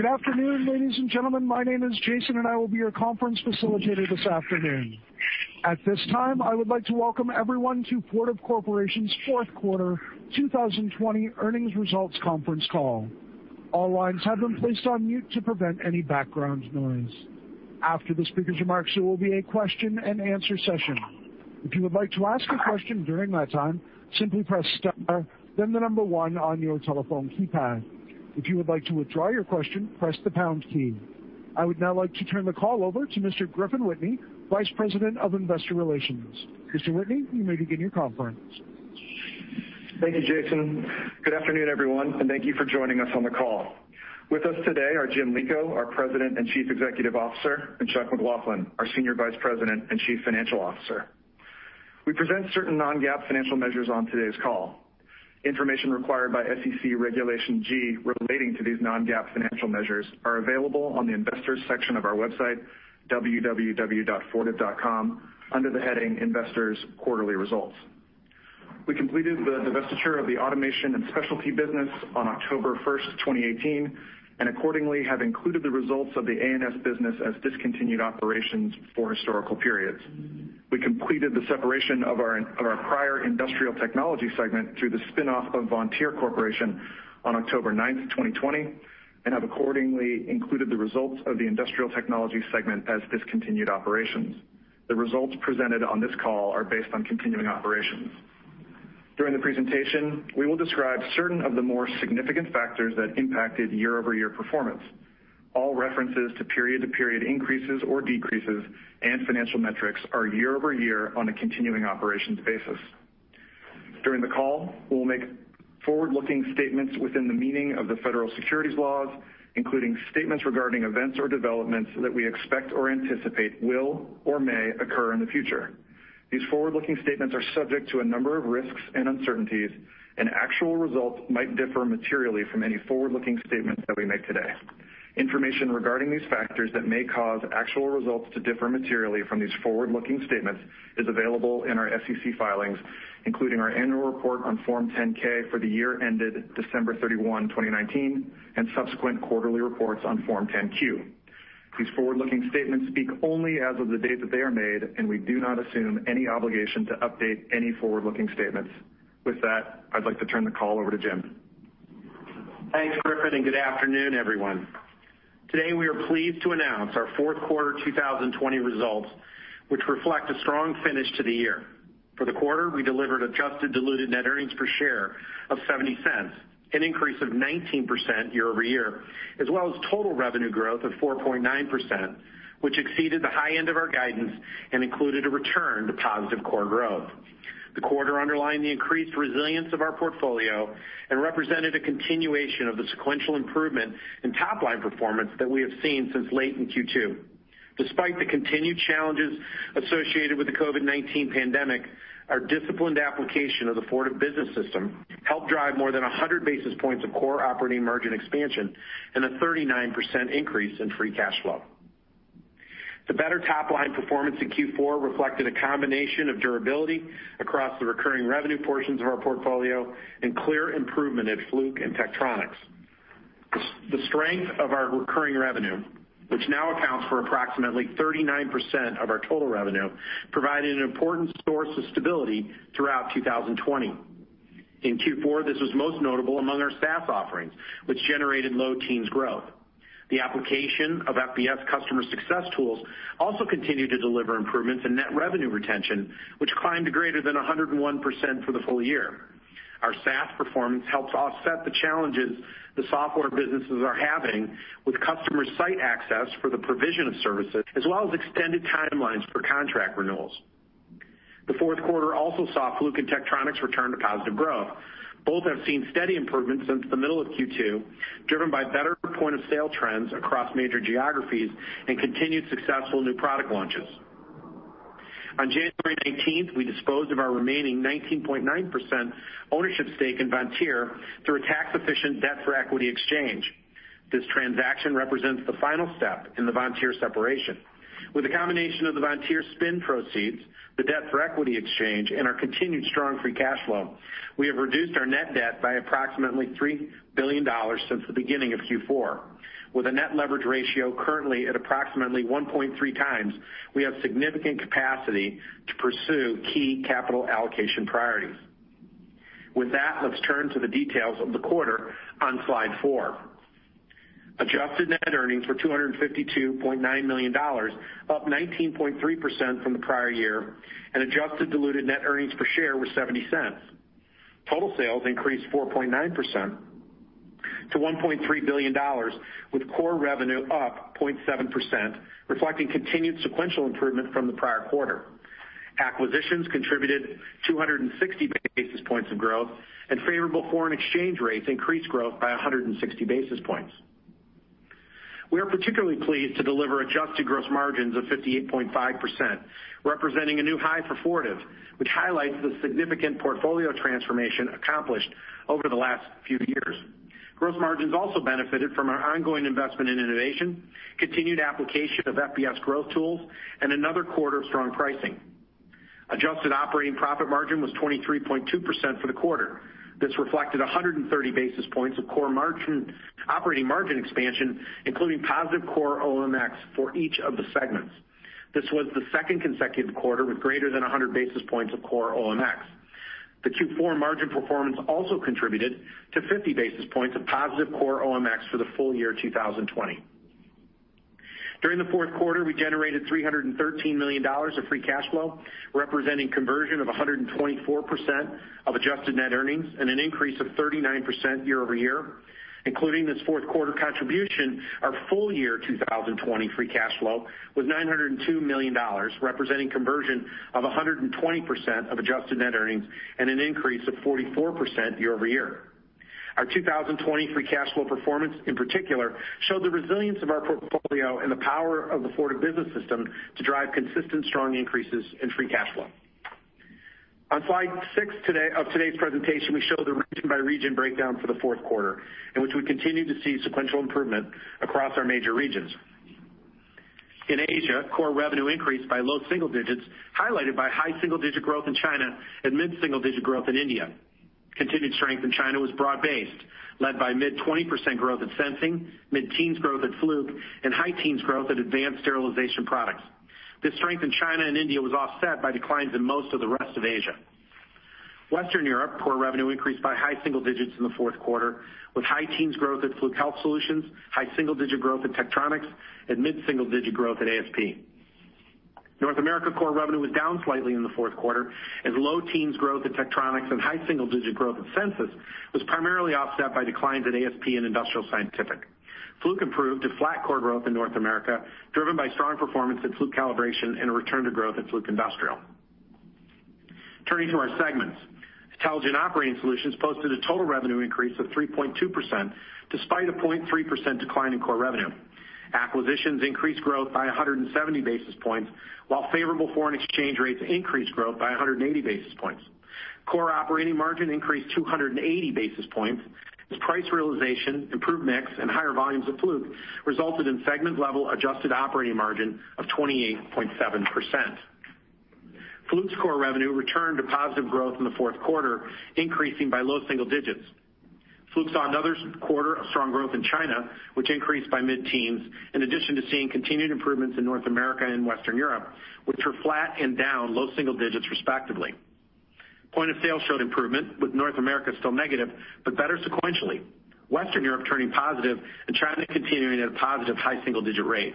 Good afternoon, ladies and gentlemen. My name is Jason, and I will be your conference facilitator this afternoon. At this time, I would like to welcome everyone to Fortive Corporation's fourth quarter 2020 earnings results conference call. All lines have been placed on mute to prevent any background noise. After the speaker's remarks, there will be a question-and-answer session. If you would like to ask a question during that time, simply press star then the number one on your telephone keypad. If you would like to withdraw your question, press the pound key. I would now like to turn the call over to Mr. Griffin Whitney, Vice President of Investor Relations. Mr. Whitney, you may begin your conference. Thank you, Jason. Good afternoon, everyone, and thank you for joining us on the call. With us today are Jim Lico, our President and Chief Executive Officer, and Chuck McLaughlin, our Senior Vice President and Chief Financial Officer. We present certain non-GAAP financial measures on today's call. Information required by SEC Regulation G relating to these non-GAAP financial measures are available on the investors section of our website, www.fortive.com, under the heading Investors Quarterly Results. We completed the divestiture of the automation and specialty business on October 1st, 2018. Accordingly, have included the results of the A&S business as discontinued operations for historical periods. We completed the separation of our prior industrial technology segment through the spinoff of Vontier Corporation on October 9th, 2020. Have accordingly included the results of the industrial technology segment as discontinued operations. The results presented on this call are based on continuing operations. During the presentation, we will describe certain of the more significant factors that impacted year-over-year performance. All references to period-to-period increases or decreases and financial metrics are year-over-year on a continuing operations basis. During the call, we'll make forward-looking statements within the meaning of the federal securities laws, including statements regarding events or developments that we expect or anticipate will or may occur in the future. These forward-looking statements are subject to a number of risks and uncertainties, and actual results might differ materially from any forward-looking statements that we make today. Information regarding these factors that may cause actual results to differ materially from these forward-looking statements is available in our SEC filings, including our annual report on Form 10-K for the year ended December 31, 2019, and subsequent quarterly reports on Form 10-Q. These forward-looking statements speak only as of the date that they are made. We do not assume any obligation to update any forward-looking statements. With that, I'd like to turn the call over to Jim. Thanks, Griffin, good afternoon, everyone. Today, we are pleased to announce our fourth quarter 2020 results, which reflect a strong finish to the year. For the quarter, we delivered adjusted diluted net earnings per share of $0.70, an increase of 19% year-over-year, as well as total revenue growth of 4.9%, which exceeded the high end of our guidance and included a return to positive core growth. The quarter underlined the increased resilience of our portfolio and represented a continuation of the sequential improvement in top-line performance that we have seen since late in Q2. Despite the continued challenges associated with the COVID-19 pandemic, our disciplined application of the Fortive Business System helped drive more than 100 basis points of core operating margin expansion and a 39% increase in free cash flow. The better top-line performance in Q4 reflected a combination of durability across the recurring revenue portions of our portfolio and clear improvement at Fluke and Tektronix. The strength of our recurring revenue, which now accounts for approximately 39% of our total revenue, provided an important source of stability throughout 2020. In Q4, this was most notable among our SaaS offerings, which generated low teens growth. The application of FBS customer success tools also continued to deliver improvements in net revenue retention, which climbed to greater than 101% for the full year. Our SaaS performance helps offset the challenges the software businesses are having with customer site access for the provision of services, as well as extended timelines for contract renewals. The fourth quarter also saw Fluke and Tektronix return to positive growth. Both have seen steady improvements since the middle of Q2, driven by better point-of-sale trends across major geographies and continued successful new product launches. On January 19th, we disposed of our remaining 19.9% ownership stake in Vontier through a tax-efficient debt for equity exchange. This transaction represents the final step in the Vontier separation. With the combination of the Vontier spin proceeds, the debt for equity exchange, and our continued strong free cash flow, we have reduced our net debt by approximately $3 billion since the beginning of Q4. With a net leverage ratio currently at approximately 1.3x, we have significant capacity to pursue key capital allocation priorities. With that, let's turn to the details of the quarter on slide four. Adjusted net earnings were $252.9 million, up 19.3% from the prior year, and adjusted diluted net earnings per share were $0.70. Total sales increased 4.9% to $1.3 billion, with core revenue up 0.7%, reflecting continued sequential improvement from the prior quarter. Acquisitions contributed 260 basis points of growth, and favorable foreign exchange rates increased growth by 160 basis points. We are particularly pleased to deliver adjusted gross margins of 58.5%, representing a new high for Fortive, which highlights the significant portfolio transformation accomplished over the last few years. Gross margins also benefited from our ongoing investment in innovation, continued application of FBS growth tools, and another quarter of strong pricing. Adjusted operating profit margin was 23.2% for the quarter. This reflected 130 basis points of core operating margin expansion, including positive core OMX for each of the segments. This was the second consecutive quarter with greater than 100 basis points of core OMX. The Q4 margin performance also contributed to 50 basis points of positive core OMX for the full year 2020. During the fourth quarter, we generated $313 million of free cash flow, representing conversion of 124% of adjusted net earnings and an increase of 39% year-over-year. Including this fourth quarter contribution, our full year 2020 free cash flow was $902 million, representing conversion of 120% of adjusted net earnings and an increase of 44% year-over-year. Our 2020 free cash flow performance, in particular, showed the resilience of our portfolio and the power of the Fortive Business System to drive consistent, strong increases in free cash flow. On slide six of today's presentation, we show the region-by-region breakdown for the fourth quarter, in which we continue to see sequential improvement across our major regions. In Asia, core revenue increased by low single digits, highlighted by high single-digit growth in China and mid-single-digit growth in India. Continued strength in China was broad-based, led by mid-20% growth in Sensing, mid-teens growth at Fluke, and high-teens growth at Advanced Sterilization Products. This strength in China and India was offset by declines in most of the rest of Asia. Western Europe, core revenue increased by high single digits in the fourth quarter with high teens growth at Fluke Health Solutions, high single-digit growth at Tektronix, and mid-single digit growth at ASP. North America core revenue was down slightly in the fourth quarter as low teens growth at Tektronix and high single-digit growth at Censis was primarily offset by declines at ASP and Industrial Scientific. Fluke improved to flat core growth in North America, driven by strong performance at Fluke Calibration and a return to growth at Fluke Industrial. Turning to our segments. Intelligent Operating Solutions posted a total revenue increase of 3.2%, despite a 0.3% decline in core revenue. Acquisitions increased growth by 170 basis points, while favorable foreign exchange rates increased growth by 180 basis points. Core operating margin increased 280 basis points as price realization, improved mix, and higher volumes of Fluke resulted in segment-level adjusted operating margin of 28.7%. Fluke's core revenue returned to positive growth in the fourth quarter, increasing by low single digits. Fluke saw another quarter of strong growth in China, which increased by mid-teens, in addition to seeing continued improvements in North America and Western Europe, which were flat and down low single digits, respectively. Point of sale showed improvement, with North America still negative, but better sequentially. Western Europe turning positive, and China continuing at a positive high single-digit rate.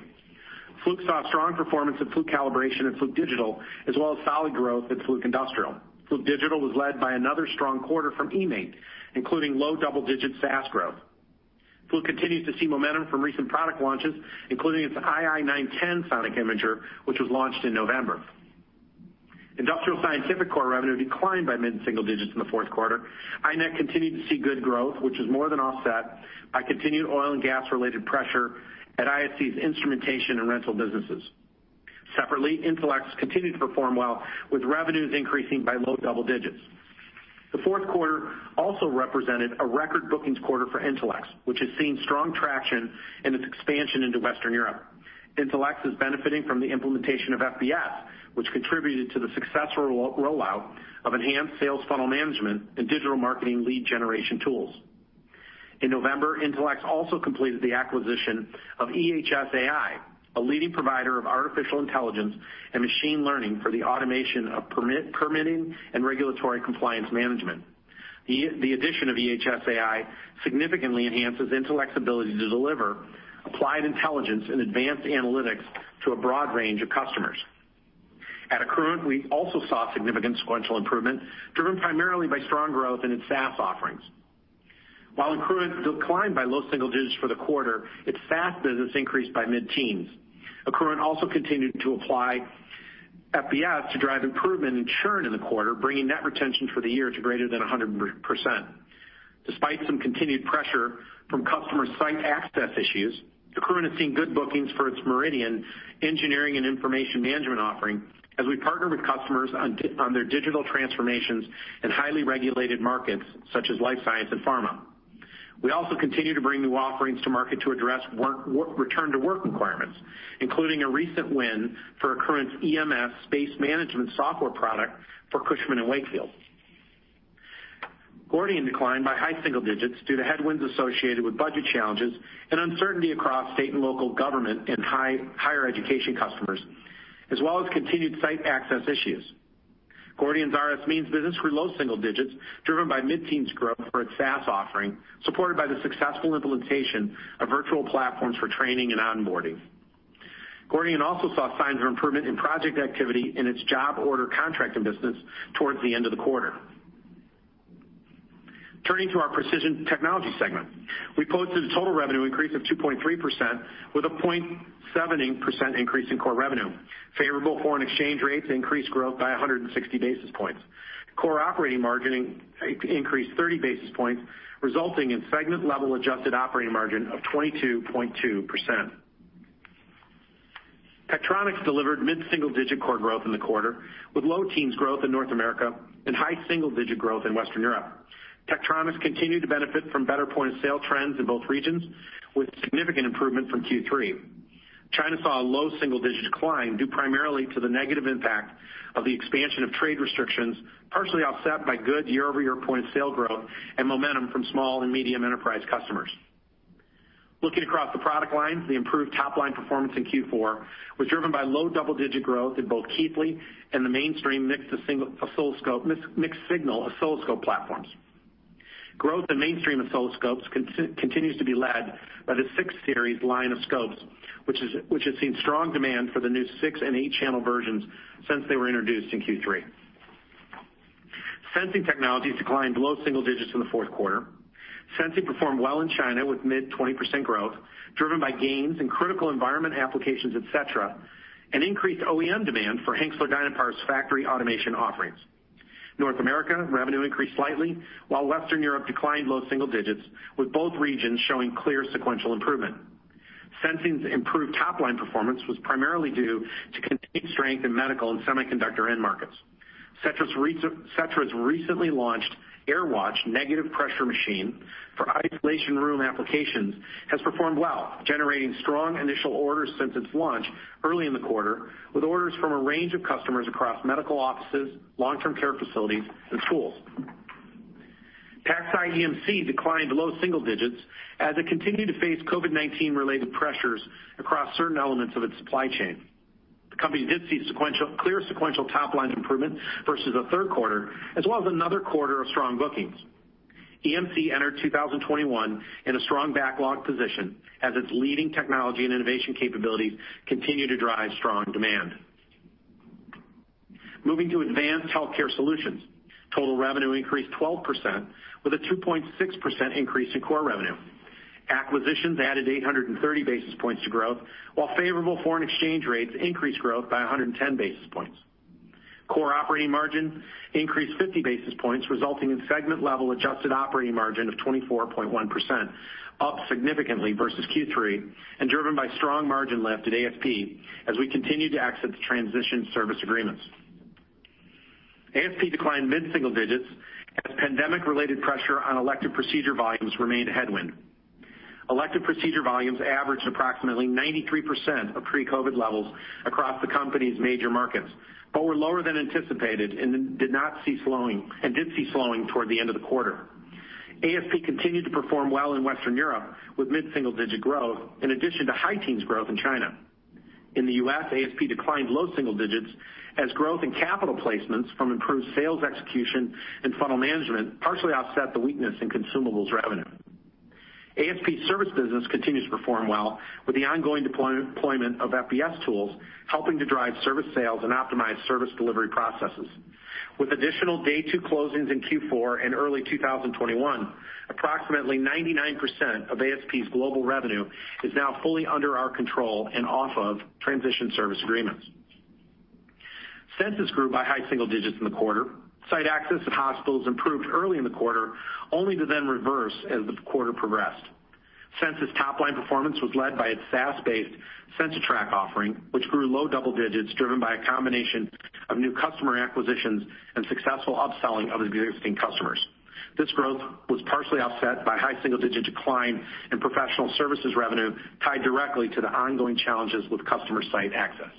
Fluke saw strong performance at Fluke Calibration and Fluke Digital, as well as solid growth at Fluke Industrial. Fluke Digital was led by another strong quarter from eMaint, including low double-digit SaaS growth. Fluke continues to see momentum from recent product launches, including its ii910 Sonic Imager, which was launched in November. Industrial Scientific core revenue declined by mid-single digits in the fourth quarter. iNet continued to see good growth, which was more than offset by continued oil and gas-related pressure at ISC's instrumentation and rental businesses. Separately, Intelex continued to perform well, with revenues increasing by low double digits. The fourth quarter also represented a record bookings quarter for Intelex, which has seen strong traction in its expansion into Western Europe. Intelex is benefiting from the implementation of FBS, which contributed to the successful rollout of enhanced sales funnel management and digital marketing lead generation tools. In November, Intelex also completed the acquisition of ehsAI, a leading provider of artificial intelligence and machine learning for the automation of permitting and regulatory compliance management. The addition of ehsAI significantly enhances Intelex's ability to deliver applied intelligence and advanced analytics to a broad range of customers. At Accruent, we also saw significant sequential improvement, driven primarily by strong growth in its SaaS offerings. While Accruent declined by low single digits for the quarter, its SaaS business increased by mid-teens. Accruent also continued to apply FBS to drive improvement in churn in the quarter, bringing net retention for the year to greater than 100%. Despite some continued pressure from customer site access issues, Accruent has seen good bookings for its Meridian engineering and information management offering as we partner with customers on their digital transformations in highly regulated markets such as life science and pharma. We also continue to bring new offerings to market to address return-to-work requirements, including a recent win for Accruent's EMS space management software product for Cushman & Wakefield. Gordian declined by high single digits due to headwinds associated with budget challenges and uncertainty across state and local government and higher education customers, as well as continued site access issues. Gordian's RSMeans business grew low single digits, driven by mid-teens growth for its SaaS offering, supported by the successful implementation of virtual platforms for training and onboarding. Gordian also saw signs of improvement in project activity in its job order contracting business towards the end of the quarter. Turning to our Precision Technologies segment. We posted a total revenue increase of 2.3% with a 0.7% increase in core revenue. Favorable foreign exchange rates increased growth by 160 basis points. Core operating margin increased 30 basis points, resulting in segment level adjusted operating margin of 22.2%. Tektronix delivered mid-single-digit core growth in the quarter, with low-teens growth in North America and high-single-digit growth in Western Europe. Tektronix continued to benefit from better point-of-sale trends in both regions, with significant improvement from Q3. China saw a low-single-digit decline due primarily to the negative impact of the expansion of trade restrictions, partially offset by good year-over-year point-of-sale growth and momentum from small and medium enterprise customers. Looking across the product lines, the improved top-line performance in Q4 was driven by low-double-digit growth in both Keithley and the mainstream mixed signal oscilloscope platforms. Growth in mainstream oscilloscopes continues to be led by the 6 Series line of scopes, which has seen strong demand for the new 6 and 8-channel versions since they were introduced in Q3. Sensing Technologies declined low single digits in the fourth quarter. Sensing performed well in China with mid-20% growth, driven by gains in critical environment applications, et cetera, and increased OEM demand for Hengstler-Dynapar's factory automation offerings. North America revenue increased slightly, while Western Europe declined low single digits, with both regions showing clear sequential improvement. Sensing's improved top-line performance was primarily due to continued strength in medical and semiconductor end markets. Setra's recently launched AIIR Watch negative pressure machine for isolation room applications has performed well, generating strong initial orders since its launch early in the quarter, with orders from a range of customers across medical offices, long-term care facilities, and schools. PacSci EMC declined low single digits as it continued to face COVID-19 related pressures across certain elements of its supply chain. The company did see clear sequential top-line improvement versus the third quarter, as well as another quarter of strong bookings. EMC entered 2021 in a strong backlog position as its leading technology and innovation capabilities continue to drive strong demand. Moving to Advanced Healthcare Solutions. Total revenue increased 12%, with a 2.6% increase in core revenue. Acquisitions added 830 basis points to growth, while favorable foreign exchange rates increased growth by 110 basis points. Core operating margin increased 50 basis points, resulting in segment-level adjusted operating margin of 24.1%, up significantly versus Q3. Driven by strong margin lift at ASP as we continue to exit the transition service agreements. ASP declined mid-single digits as pandemic-related pressure on elective procedure volumes remained a headwind. Elective procedure volumes averaged approximately 93% of pre-COVID levels across the company's major markets, but were lower than anticipated and did see slowing toward the end of the quarter. ASP continued to perform well in Western Europe with mid-single-digit growth, in addition to high-teens growth in China. In the U.S., ASP declined low single digits as growth in capital placements from improved sales execution and funnel management partially offset the weakness in consumables revenue. ASP service business continues to perform well, with the ongoing deployment of FBS tools helping to drive service sales and optimize service delivery processes. With additional day two closings in Q4 and early 2021, approximately 99% of ASP's global revenue is now fully under our control and off of transition service agreements. Censis grew by high single digits in the quarter. Site access at hospitals improved early in the quarter, only to then reverse as the quarter progressed. Censis' top-line performance was led by its SaaS-based CensiTrac offering, which grew low double digits driven by a combination of new customer acquisitions and successful upselling of existing customers. This growth was partially offset by high single-digit decline in professional services revenue tied directly to the ongoing challenges with customer site access.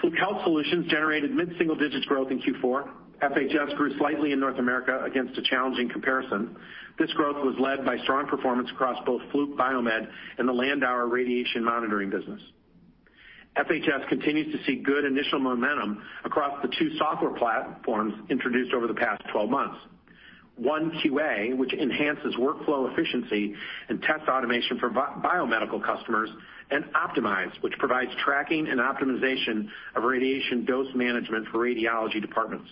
Fluke Health Solutions generated mid-single-digit growth in Q4. FHS grew slightly in North America against a challenging comparison. This growth was led by strong performance across both Fluke Biomedical and the LANDAUER radiation monitoring business. FHS continues to see good initial momentum across the two software platforms introduced over the past 12 months. OneQA, which enhances workflow efficiency and test automation for biomedical customers, and OPTIMIZE, which provides tracking and optimization of radiation dose management for radiology departments.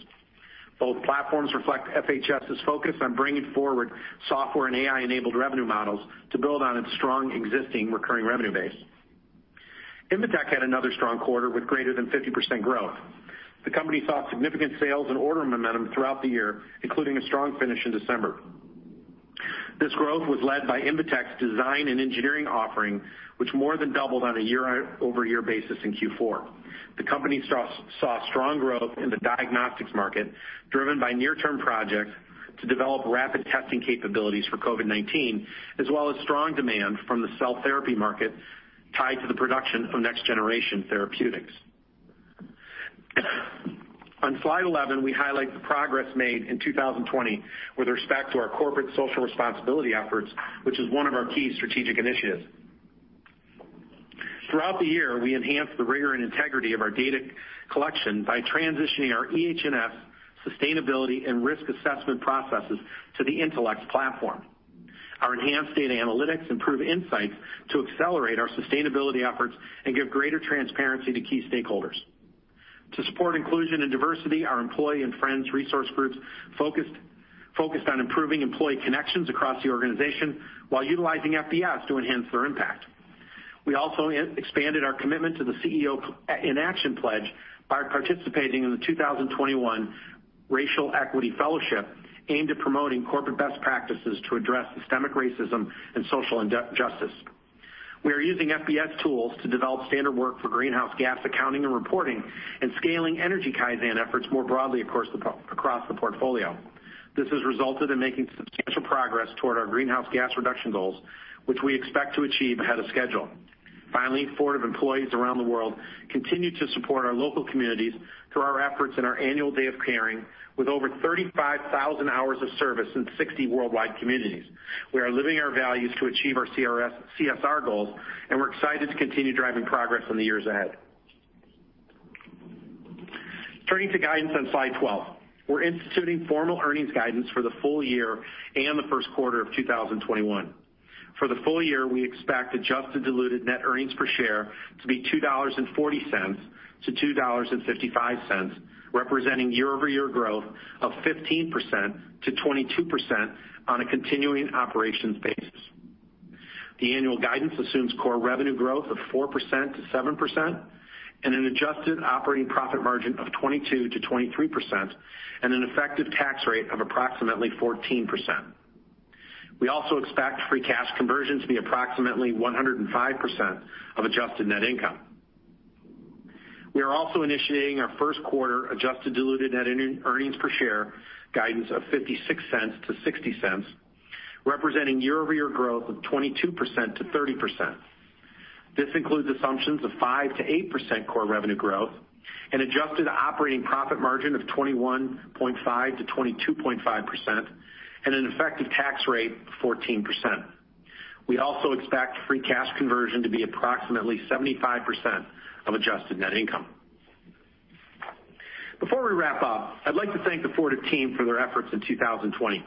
Both platforms reflect FHS's focus on bringing forward software and AI-enabled revenue models to build on its strong existing recurring revenue base. Invetech had another strong quarter with greater than 50% growth. The company saw significant sales and order momentum throughout the year, including a strong finish in December. This growth was led by Invetech's design and engineering offering, which more than doubled on a year-over-year basis in Q4. The company saw strong growth in the diagnostics market, driven by near-term projects to develop rapid testing capabilities for COVID-19, as well as strong demand from the cell therapy market tied to the production of next-generation therapeutics. On slide 11, we highlight the progress made in 2020 with respect to our corporate social responsibility efforts, which is one of our key strategic initiatives. Throughout the year, we enhanced the rigor and integrity of our data collection by transitioning our EHS sustainability and risk assessment processes to the Intelex platform. Our enhanced data analytics improve insights to accelerate our sustainability efforts and give greater transparency to key stakeholders. To support inclusion and diversity, our employee and friends resource groups focused on improving employee connections across the organization while utilizing FBS to enhance their impact. We also expanded our commitment to the CEO Action pledge by participating in the 2021 Racial Equity Fellowship aimed at promoting corporate best practices to address systemic racism and social injustice. We are using FBS tools to develop standard work for greenhouse gas accounting and reporting and scaling energy Kaizen efforts more broadly across the portfolio. This has resulted in making substantial progress toward our greenhouse gas reduction goals, which we expect to achieve ahead of schedule. Fortive employees around the world continue to support our local communities through our efforts in our annual day of caring, with over 35,000 hours of service in 60 worldwide communities. We are living our values to achieve our CSR goals, we're excited to continue driving progress in the years ahead. Turning to guidance on slide 12. We're instituting formal earnings guidance for the full year and the first quarter of 2021. For the full year, we expect adjusted diluted net earnings per share to be $2.40-$2.55, representing year-over-year growth of 15%-22% on a continuing operations basis. The annual guidance assumes core revenue growth of 4%-7% and, an adjusted operating profit margin of 22%-23%, and an effective tax rate of approximately 14%. We also expect free cash conversion to be approximately 105% of adjusted net income. We are also initiating our first quarter adjusted diluted net earnings per share guidance of $0.56-$0.60, representing year-over-year growth of 22%-30%. This includes assumptions of 5%-8% core revenue growth, an adjusted operating profit margin of 21.5%-22.5%, and an effective tax rate of 14%. We also expect free cash conversion to be approximately 75% of adjusted net income. Before we wrap up, I'd like to thank the Fortive team for their efforts in 2020.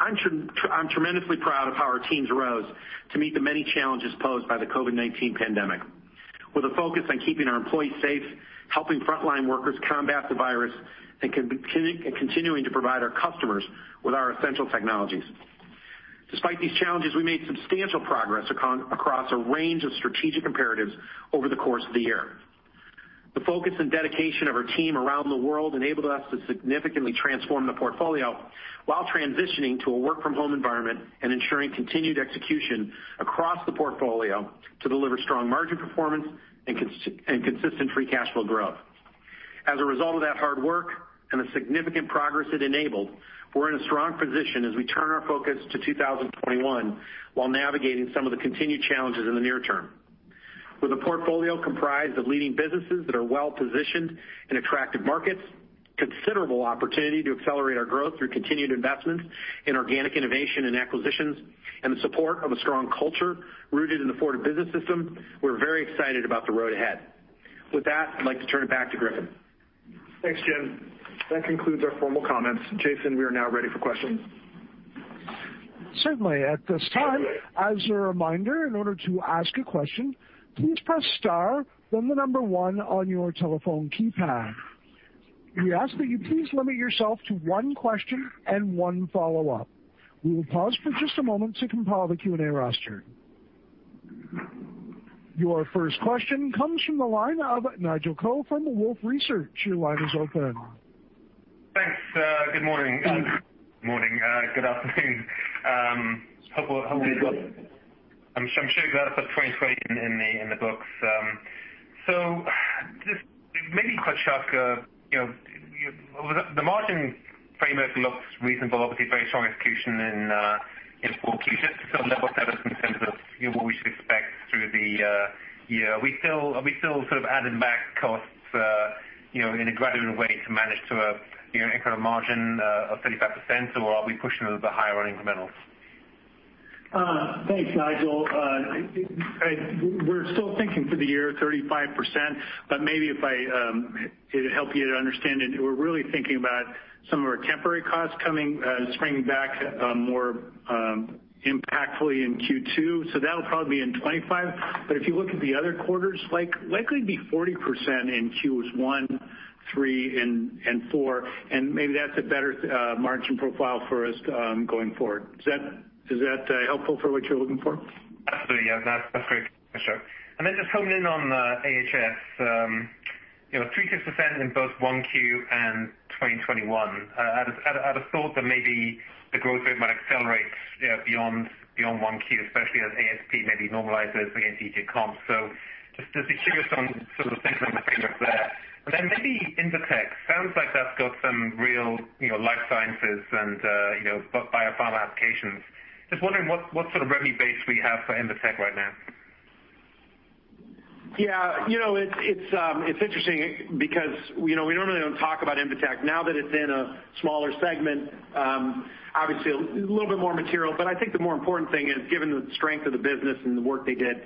I'm tremendously proud of how our teams rose to meet the many challenges posed by the COVID-19 pandemic. With a focus on keeping our employees safe, helping frontline workers combat the virus, and continuing to provide our customers with our essential technologies. Despite these challenges, we made substantial progress across a range of strategic imperatives over the course of the year. The focus and dedication of our team around the world enabled us to significantly transform the portfolio while transitioning to a work-from-home environment and ensuring continued execution across the portfolio to deliver strong margin performance and consistent free cash flow growth. As a result of that hard work and the significant progress it enabled, we're in a strong position as we turn our focus to 2021 while navigating some of the continued challenges in the near term. With a portfolio comprised of leading businesses that are well-positioned in attractive markets, considerable opportunity to accelerate our growth through continued investments in organic innovation and acquisitions, and the support of a strong culture rooted in the Fortive Business System, we're very excited about the road ahead. With that, I'd like to turn it back to Griffin. Thanks, Jim. That concludes our formal comments. Jason, we are now ready for questions. Certainly. At this time, as a reminder, in order to ask a question, please press star, then number one on your telephone keypad. We ask that you please limit yourself to one question and one follow-up. We will pause for just a moment to compile the Q&A roster. Your first question comes from the line of Nigel Coe from Wolfe Research. Your line is open. Thanks. Good morning. Morning. Good afternoon. How are you doing? I'm sure you're glad to put 2020 in the books. Just maybe a quick shock. The margin framework looks reasonable. Obviously, very strong execution in 4Q. Just to sort of level-set us in terms of what we should expect through the year, are we still sort of adding back costs in a graduated way to manage to a kind of margin of 35%, or are we pushing a little bit higher on incrementals? Thanks, Nigel. Maybe it'd help you to understand it, we're really thinking about some of our temporary costs coming, springing back more impactfully in Q2, so that'll probably be in 25%. If you look at the other quarters, likely it'd be 40% in Qs one, three, and four, and maybe that's a better margin profile for us going forward. Is that helpful for what you're looking for? Absolutely. That's great. For sure. Just honing in on AHS. 3%-5% in both 1Q and 2021. I'd have thought that maybe the growth rate might accelerate beyond 1Q, especially as ASP maybe normalizes against J&J comps. Just curious on sort of the thinking on the framework there. Maybe Invetech. Sounds like that's got some real life sciences and biomedical applications. Just wondering what sort of revenue base we have for Invetech right now. Yeah. It's interesting because we normally don't talk about Invetech. Now that it's in a smaller segment, obviously, a little bit more material, but I think the more important thing is, given the strength of the business and the work they did,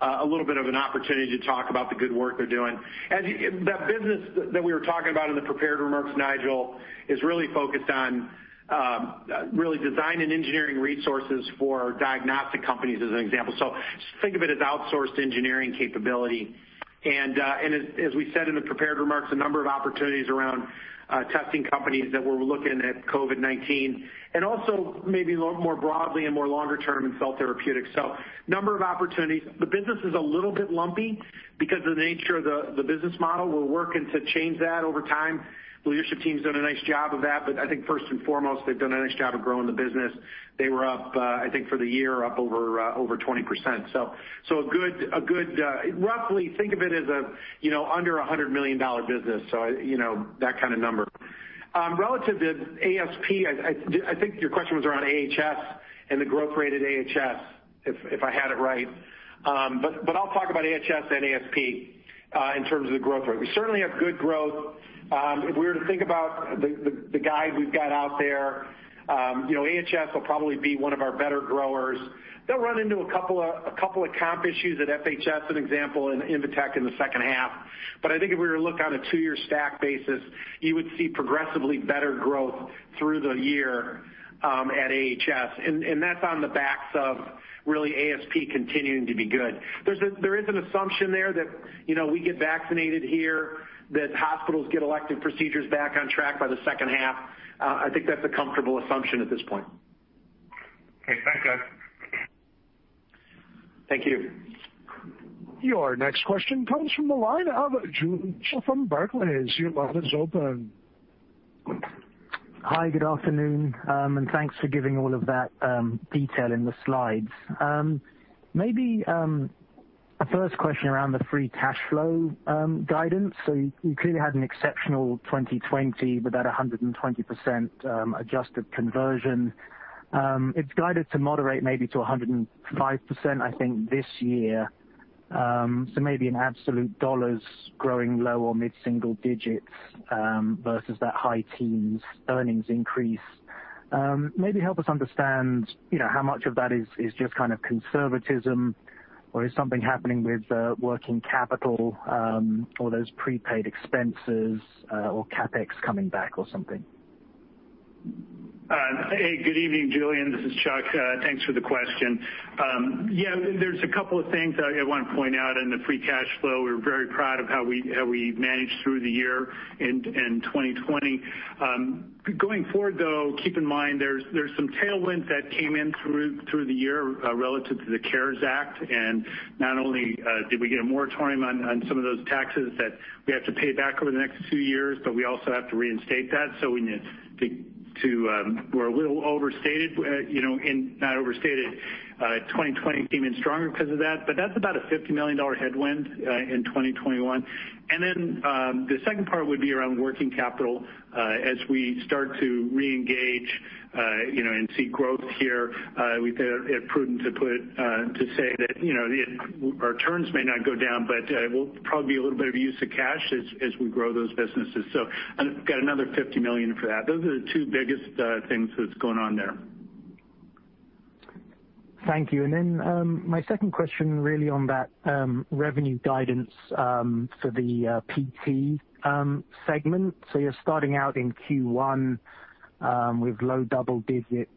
a little bit of an opportunity to talk about the good work they're doing. The business that we were talking about in the prepared remarks, Nigel, is really focused on really design and engineering resources for diagnostic companies, as an example. Just think of it as outsourced engineering capability. As we said in the prepared remarks, a number of opportunities around testing companies that were looking at COVID-19, and also maybe more broadly and more longer term in cell therapeutics. Number of opportunities. The business is a little bit lumpy because of the nature of the business model. We're working to change that over time. Leadership team's done a nice job of that, but I think first and foremost, they've done a nice job of growing the business. They were up, I think, for the year, up over 20%. Roughly think of it as under a $100 million business, so that kind of number. Relative to ASP, I think your question was around AHS and the growth rate at AHS, if I had it right. I'll talk about AHS and ASP in terms of the growth rate. We certainly have good growth. If we were to think about the guide we've got out there, AHS will probably be one of our better growers. They'll run into a couple of comp issues at FHS, an example, and Invetech in the second half. I think if we were to look on a two-year stack basis, you would see progressively better growth through the year at AHS, and that's on the backs of really ASP continuing to be good. There is an assumption there that we get vaccinated here, that hospitals get elective procedures back on track by the second half. I think that's a comfortable assumption at this point. Okay. Thanks, guys. Thank you. Your next question comes from the line of Julian Mitchell from Barclays. Your line is open. Hi, good afternoon. Thanks for giving all of that detail in the slides. Maybe a first question around the free cash flow guidance. You clearly had an exceptional 2020 with that 120% adjusted conversion. It's guided to moderate, maybe to 105%, I think, this year. Maybe in absolute dollars growing low or mid-single digits versus that high teens earnings increase. Maybe help us understand how much of that is just kind of conservatism or is something happening with working capital, or those prepaid expenses, or CapEx coming back or something? Good evening, Julian. This is Chuck. Thanks for the question. Yeah, there's a couple of things I want to point out in the free cash flow. We're very proud of how we managed through the year in 2020. Going forward, though, keep in mind, there's some tailwind that came in through the year relative to the CARES Act. Not only did we get a moratorium on some of those taxes that we have to pay back over the next two years, we also have to reinstate that. We're a little overstated, not overstated. 2020 came in stronger because of that's about a $50 million headwind in 2021. The second part would be around working capital. As we start to re-engage and see growth here, we think it prudent to say that our turns may not go down, but it will probably be a little bit of use of cash as we grow those businesses. Got another $50 million for that. Those are the two biggest things that's going on there. Thank you. My second question really on that revenue guidance for the PT segment. You're starting out in Q1 with low double-digit,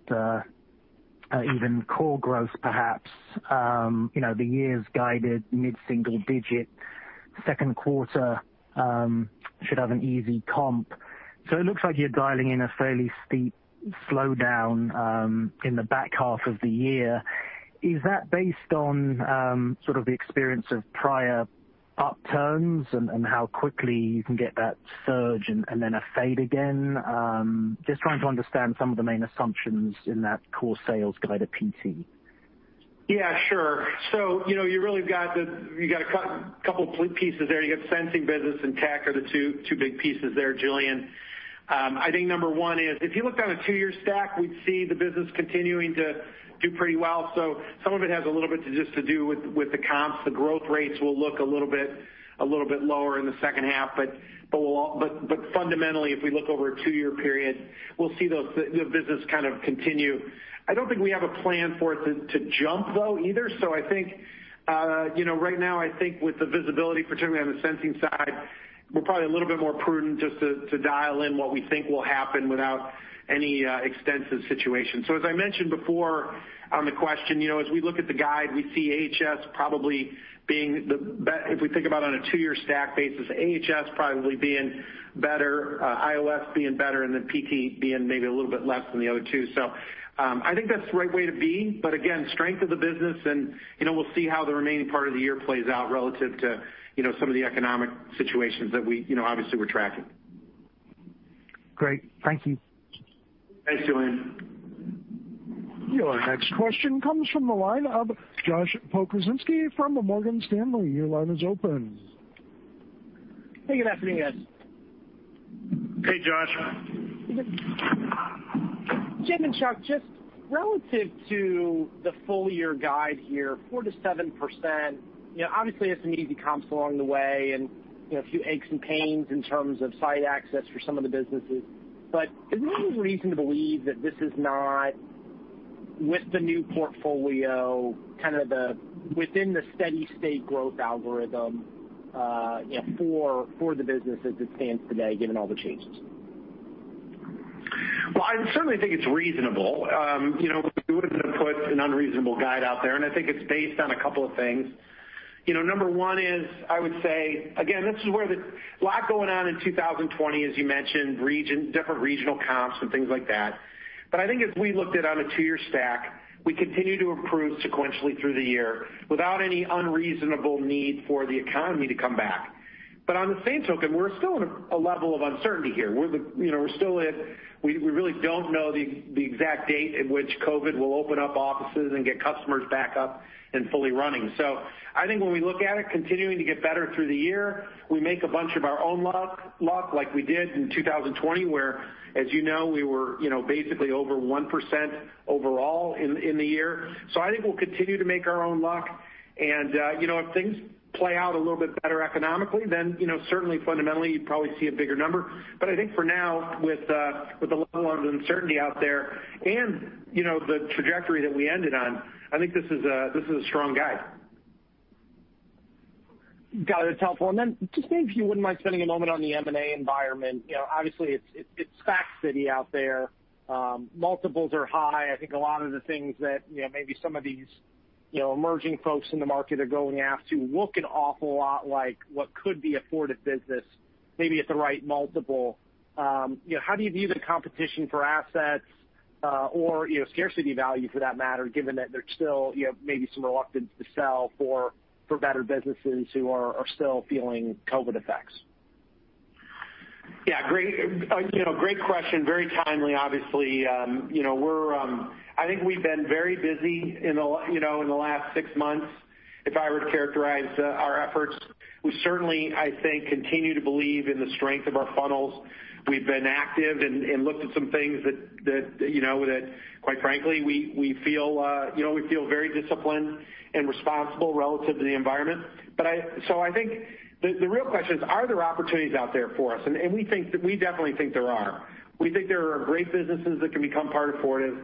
even core growth perhaps. The years guided mid-single digit, second quarter should have an easy comp. It looks like you're dialing in a fairly steep slowdown in the back half of the year. Is that based on sort of the experience of prior upturns and how quickly you can get that surge and then a fade again? Just trying to understand some of the main assumptions in that core sales guide at PT. Yeah, sure. You really got a couple pieces there. You got Sensing Technologies business, and Tek are the two big pieces there, Julian. I think number one is if you looked on a two-year stack, we'd see the business continuing to do pretty well. Some of it has a little bit to do with the comps. The growth rates will look a little bit lower in the second half. Fundamentally, if we look over a two-year period, we'll see the business kind of continue. I don't think we have a plan for it to jump, though, either. I think right now, I think with the visibility, particularly on the Sensing Technologies side, we're probably a little bit more prudent just to dial in what we think will happen without any extensive situation. As I mentioned before on the question, as we look at the guide, we see, if we think about on a two-year stack basis, AHS probably being better, IOS being better, and then PT being maybe a little bit less than the other two. I think that's the right way to be. Again, strength of the business, and we'll see how the remaining part of the year plays out relative to some of the economic situations that we obviously are tracking. Great. Thank you. Thanks, Julian. Your next question comes from the line of Josh Pokrzywinski from Morgan Stanley. Your line is open. Hey, good afternoon, guys. Hey, Josh. Jim and Chuck, just relative to the full year guide here, 4%-7%. Obviously, it's an easy comps along the way and a few aches and pains in terms of site access for some of the businesses. Is there any reason to believe that this is not with the new portfolio, kind of within the steady state growth algorithm for the business as it stands today, given all the changes? Well, I certainly think it's reasonable. We wouldn't have put an unreasonable guide out there, and I think it's based on a couple of things. Number one is I would say, again. Lot going on in 2020, as you mentioned, different regional comps and things like that. I think as we looked at on a two-year stack, we continue to improve sequentially through the year without any unreasonable need for the economy to come back. On the same token, we're still in a level of uncertainty here. We really don't know the exact date at which COVID will open up offices and get customers back up and fully running. I think when we look at it, continuing to get better through the year, we make a bunch of our own luck, like we did in 2020, where, as you know, we were basically over 1% overall in the year. I think we'll continue to make our own luck. If things play out a little bit better economically, then certainly, fundamentally, you'd probably see a bigger number. I think for now, with the level of uncertainty out there and the trajectory that we ended on, I think this is a strong guide. Got it. Helpful. Just maybe, if you wouldn't mind spending a moment on the M&A environment. Obviously, it's fast-paced out there. Multiples are high. I think a lot of the things that maybe some of these emerging folks in the market are going after look an awful lot like what could be a Fortive business, maybe at the right multiple. How do you view the competition for assets or scarcity value for that matter, given that there's still maybe some reluctance to sell for better businesses who are still feeling COVID-19 effects? Great question. Very timely, obviously. I think we've been very busy in the last six months, if I were to characterize our efforts. We certainly, I think, continue to believe in the strength of our funnels. We've been active and looked at some things that, quite frankly, we feel very disciplined and responsible relative to the environment. I think the real question is, are there opportunities out there for us? We definitely think there are. We think there are great businesses that can become part of Fortive.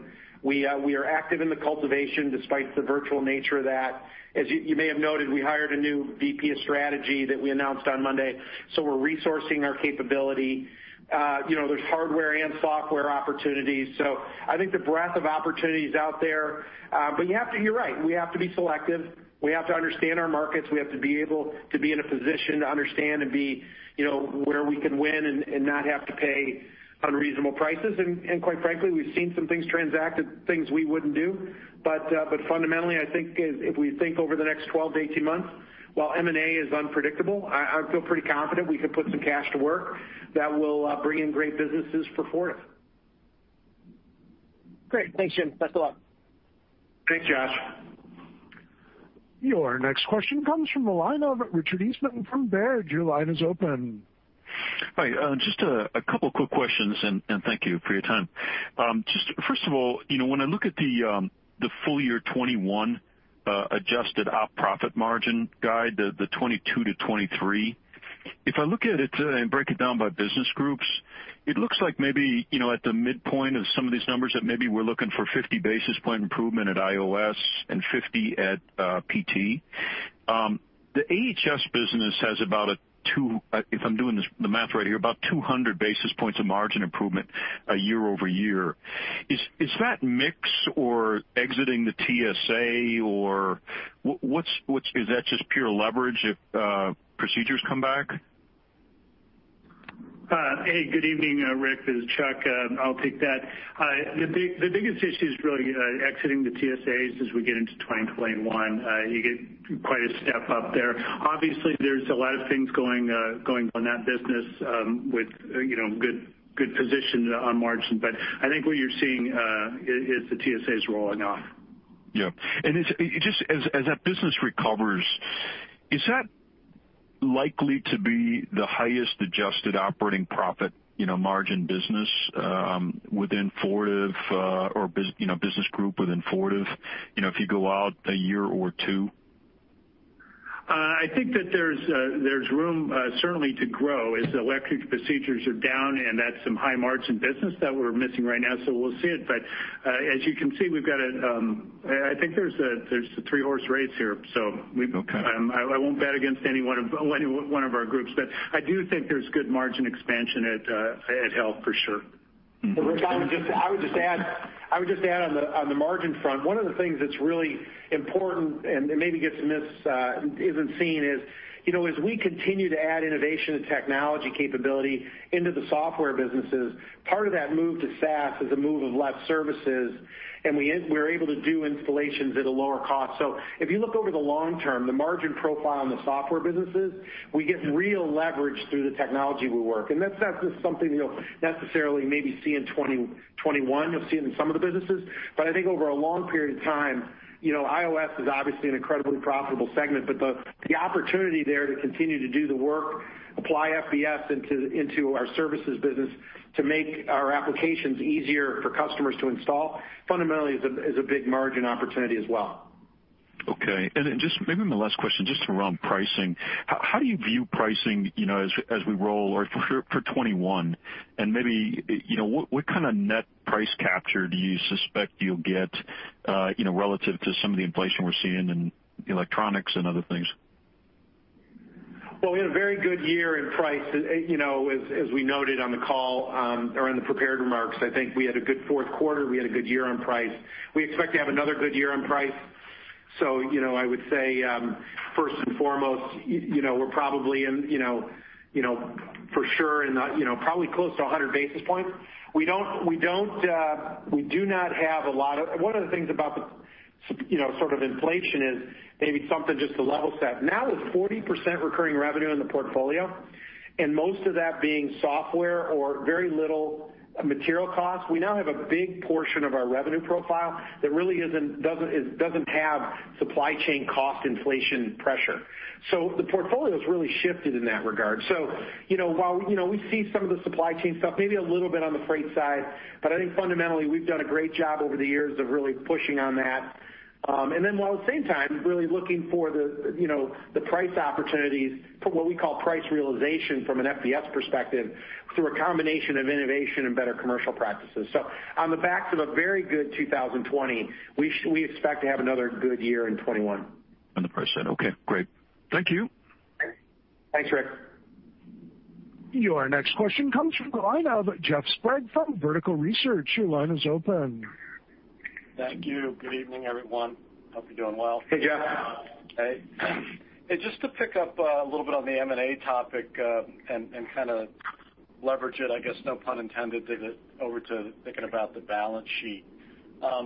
We are active in the cultivation despite the virtual nature of that. As you may have noted, we hired a new VP of strategy that we announced on Monday, we're resourcing our capability. There's hardware and software opportunities; I think the breadth of opportunity is out there. You're right, we have to be selective. We have to understand our markets. We have to be able to be in a position to understand and be where we can win and not have to pay unreasonable prices. Quite frankly, we've seen some things transact at things we wouldn't do. Fundamentally, I think if we think over the next 12 to 18 months, while M&A is unpredictable, I feel pretty confident we could put some cash to work that will bring in great businesses for Fortive. Great. Thanks, Jim. Best of luck. Thanks, Josh. Your next question comes from the line of Richard Eastman from Baird. Your line is open. Hi. Just a couple quick questions, and thank you for your time. Just first of all, when I look at the full year 2021 adjusted op profit margin guide, the 22 to 23, if I look at it and break it down by business groups, it looks like maybe at the midpoint of some of these numbers, that maybe we're looking for 50 basis point improvement at IOS and 50 at PT. The AHS business has about a two, if I'm doing the math right here, about 200 basis points of margin improvement year-over-year. Is that mix or exiting the TSA, or is that just pure leverage if procedures come back? Hey, good evening, Rick. This is Chuck. I'll take that. The biggest issue is really exiting the TSAs as we get into 2021. You get quite a step-up there. Obviously, there's a lot of things going on in that business with good position on margin. I think what you're seeing is the TSAs rolling off. Yeah. Just as that business recovers, is that likely to be the highest adjusted operating profit margin business within Fortive or business group within Fortive if you go out a year or two? I think that there's room certainly to grow as the elective procedures are down, and that's some high-margin business that we're missing right now. We'll see it, but as you can see, I think there's a three-horse race here. Okay. I won't bet against any one of our groups, but I do think there's good margin expansion at Health for sure. Rick, I would just add on the margin front, one of the things that's really important and maybe isn't seen is, as we continue to add innovation and technology capability into the software businesses, part of that move to SaaS is a move of less services, and we're able to do installations at a lower cost. If you look over the long term, the margin profile on the software businesses, we get real leverage through the technology we work. That's not just something you'll necessarily maybe see in 2021. You'll see it in some of the businesses. I think over a long period of time, IOS is obviously an incredibly profitable segment. The opportunity there to continue to do the work, apply FBS into our services business to make our applications easier for customers to install, fundamentally is a big margin opportunity as well. Okay. Just maybe my last question, just around pricing. How do you view pricing as we roll or for 2021, and maybe what kind of net price capture do you suspect you'll get relative to some of the inflation we're seeing in electronics and other things? Well, we had a very good year in price. As we noted on the call or in the prepared remarks, I think we had a good fourth quarter. We had a good year on price. We expect to have another good year on price. I would say first and foremost, we're probably in for sure and probably close to 100 basis points. One of the things about the sort of inflation is maybe something just to level set. Now with 40% recurring revenue in the portfolio and most of that being software or very little material cost, we now have a big portion of our revenue profile that really doesn't have supply chain cost inflation pressure. The portfolio's really shifted in that regard. While we see some of the supply chain stuff, maybe a little bit on the freight side, but I think fundamentally we've done a great job over the years of really pushing on that. While at the same time really looking for the price opportunities for what we call price realization from an FBS perspective through a combination of innovation and better commercial practices. On the backs of a very good 2020, we expect to have another good year in 2021. The person. Okay, great. Thank you. Thanks, Rick. Your next question comes from the line of Jeff Sprague from Vertical Research. Your line is open. Thank you. Good evening, everyone. Hope you're doing well. Hey, Jeff. Hey. Just to pick up a little bit on the M&A topic, and kind of leverage it, I guess, no pun intended, over to thinking about the balance sheet. Do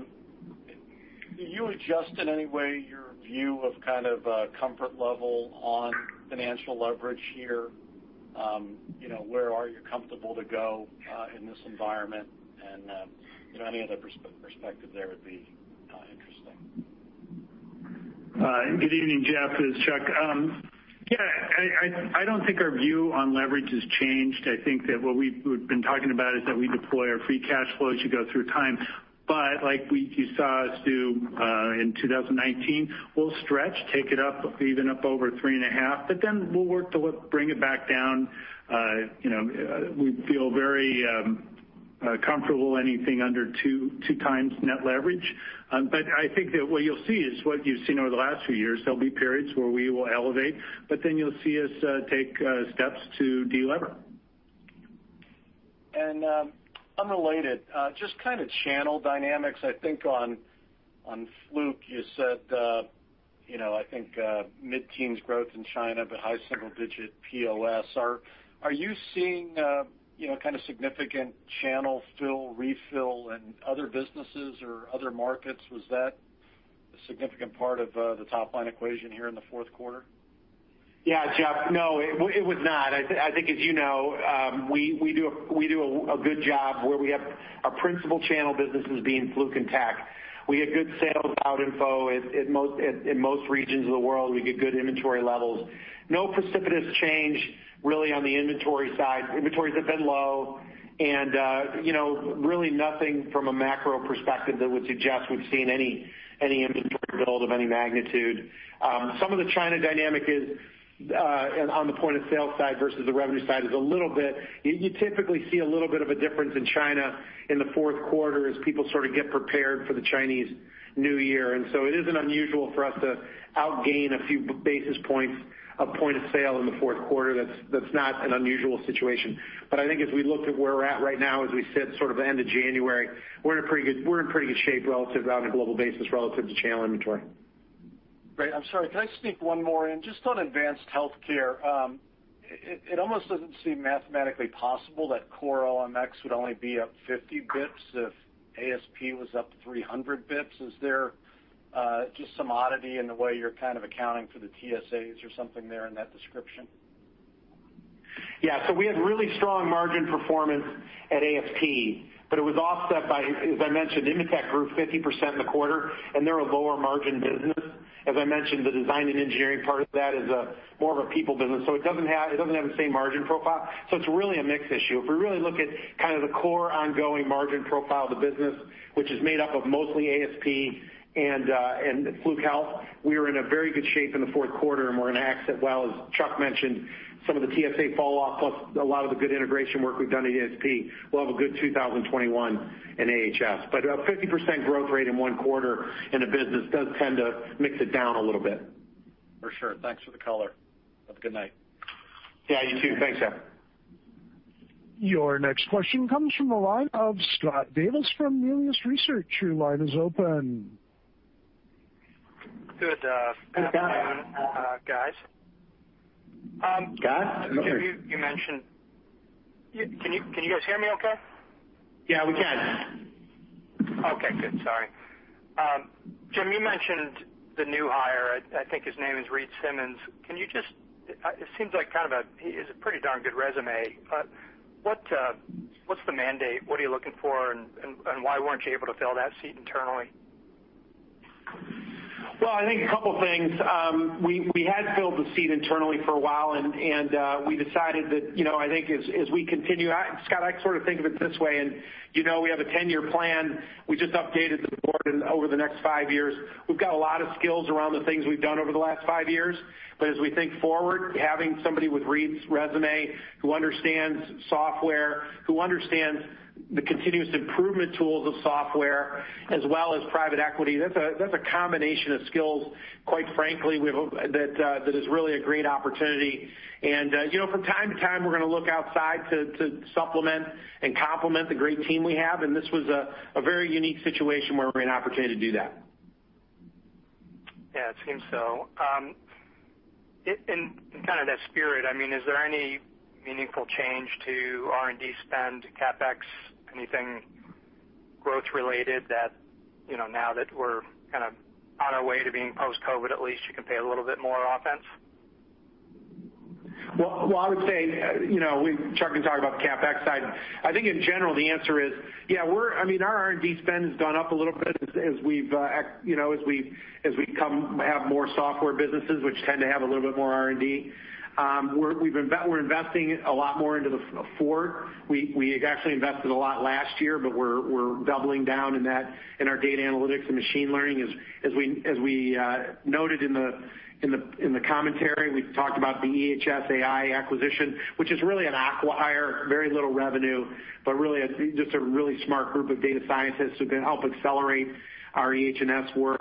you adjust in any way your view of kind of a comfort level on financial leverage here? Where are you comfortable to go in this environment? Any other perspective there would be interesting. Good evening, Jeff. It's Chuck. Yeah, I don't think our view on leverage has changed. I think that what we've been talking about is that we deploy our free cash flow as you go through time. Like you saw us do in 2019, we'll stretch, take it up, even up over 3.5, then we'll work to bring it back down. We feel very comfortable anything under 2x net leverage. I think that what you'll see is what you've seen over the last few years. There'll be periods where we will elevate, then you'll see us take steps to de-lever. Unrelated, just kind of channel dynamics, I think on Fluke, you said, I think mid-teens growth in China, but high single-digit POS. Are you seeing kind of significant channel fill, refill in other businesses or other markets? Was that a significant part of the top-line equation here in the fourth quarter? Yeah, Jeff, no, it was not. I think, as you know, we do a good job where our principal channel businesses being Fluke and Tek. We had good sales out info in most regions of the world. We get good inventory levels. No precipitous change really on the inventory side. Inventories have been low, and really nothing from a macro perspective that would suggest we've seen any inventory build of any magnitude. Some of the China dynamic is, on the point of sale side versus the revenue side, is you typically see a little bit of a difference in China in the fourth quarter as people sort of get prepared for the Chinese New Year. It isn't unusual for us to outgain a few basis points, a point of sale in the fourth quarter. That's not an unusual situation. I think as we look at where we're at right now, as we said, sort of end of January, we're in pretty good shape on a global basis relative to channel inventory. Great. I'm sorry, can I sneak one more in? Just on advanced healthcare. It almost doesn't seem mathematically possible that core OMX would only be up 50 bps if ASP was up 300 bps. Is there just some oddity in the way you're kind of accounting for the TSAs or something there in that description? Yeah. We had really strong margin performance at ASP, but it was offset by, as I mentioned, Invetech grew 50% in the quarter, and they're a lower margin business. As I mentioned, the design and engineering part of that is more of a people business. It doesn't have the same margin profile. It's really a mix issue. If we really look at kind of the core ongoing margin profile of the business, which is made up of mostly ASP and Fluke Health, we are in a very good shape in the fourth quarter, and we're going to exit, well, as Chuck mentioned, some of the TSA fall off, plus a lot of the good integration work we've done at ASP. We'll have a good 2021 in ASP. A 50% growth rate in one quarter in a business does tend to mix it down a little bit. For sure. Thanks for the color. Have a good night. Yeah, you too. Thanks, Jeff. Your next question comes from the line of Scott Davis from Melius Research. Your line is open. Good afternoon, guys. Guys? Can you guys hear me okay? Yeah, we can. Okay, good. Sorry. Jim, you mentioned the new hire. I think his name is Read Simmons. It seems like he has a pretty darn good resume. What's the mandate? What are you looking for, and why weren't you able to fill that seat internally? I think a couple things. We had filled the seat internally for a while, and we decided that, I think, as we continue, Scott, I sort of think of it this way, and we have a 10-year plan. We just updated the board, and over the next five years, we've got a lot of skills around the things we've done over the last five years. As we think forward, having somebody with Read's resume, who understands software, who understands the continuous improvement tools of software, as well as private equity, that's a combination of skills, quite frankly, that is really a great opportunity. From time to time, we're going to look outside to supplement and complement the great team we have, and this was a very unique situation where we had an opportunity to do that. Yeah, it seems so. In kind of that spirit, is there any meaningful change to R&D spend, CapEx, anything growth-related that now that we're kind of on our way to being post-COVID, at least you can pay a little bit more offense? Well, I would say Chuck can talk about the CapEx side. I think in general, the answer is, yeah, our R&D spend has gone up a little bit as we have more software businesses, which tend to have a little bit more R&D. We're investing a lot more into the Fortive. We actually invested a lot last year. We're doubling down in our data analytics and machine learning, as we noted in the commentary, we've talked about the ehsAI acquisition, which is really an acqui-hire, very little revenue, but really just a really smart group of data scientists who can help accelerate our EHS work.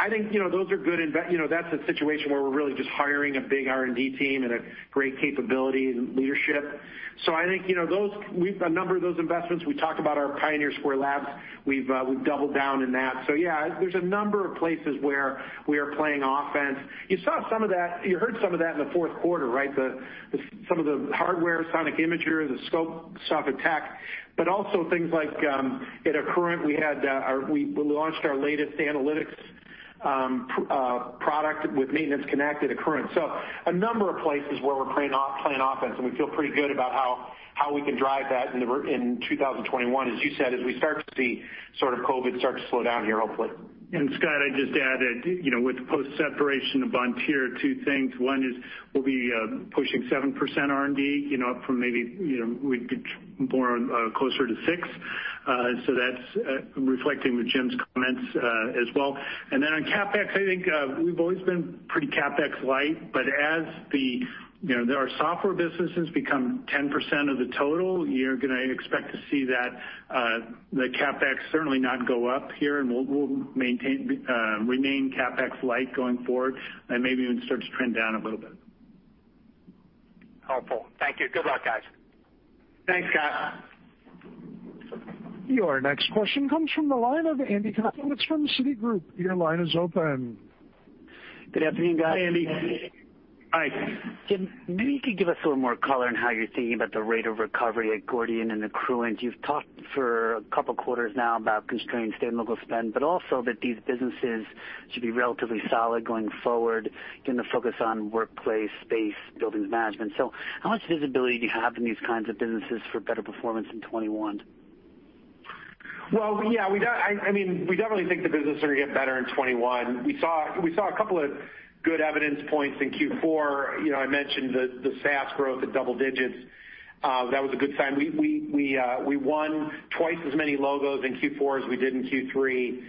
I think that's a situation where we're really just hiring a big R&D team and a great capability in leadership. I think a number of those investments, we talked about our Pioneer Square Labs, we've doubled down in that. Yeah, there's a number of places where we are playing offense. You heard some of that in the fourth quarter, right? Some of the hardware, Sonic Imager, the Scope software Tek, but also things like at Accruent, we launched our latest analytics product with Maintenance Connection Accruent. A number of places where we're playing offense, and we feel pretty good about how we can drive that in 2021, as you said, as we start to see COVID-19 start to slow down here, hopefully. Scott, I'd just add that with the post-separation of Vontier, two things. One is we'll be pushing 7% R&D, up from maybe closer to six. That's reflecting with Jim's comments as well. On CapEx, I think we've always been pretty CapEx light, but as our software businesses become 10% of the total, you're going to expect to see the CapEx certainly not go up here, and we'll remain CapEx light going forward, and maybe even start to trend down a little bit. Helpful. Thank you. Good luck, guys. Thanks, Scott. Your next question comes from the line of Andy Kaplowitz from Citigroup. Your line is open. Good afternoon, guys. Andy. All right. Jim, maybe you could give us a little more color on how you're thinking about the rate of recovery at Gordian and Accruent. You've talked for a couple of quarters now about constrained state and local spend, but also that these businesses should be relatively solid going forward, given the focus on workplace space, buildings management. How much visibility do you have in these kinds of businesses for better performance in 2021? Well, yeah. We definitely think the business is going to get better in 2021. We saw a couple of good evidence points in Q4. I mentioned the SaaS growth at double digits. That was a good sign. We won twice as many logos in Q4 as we did in Q3.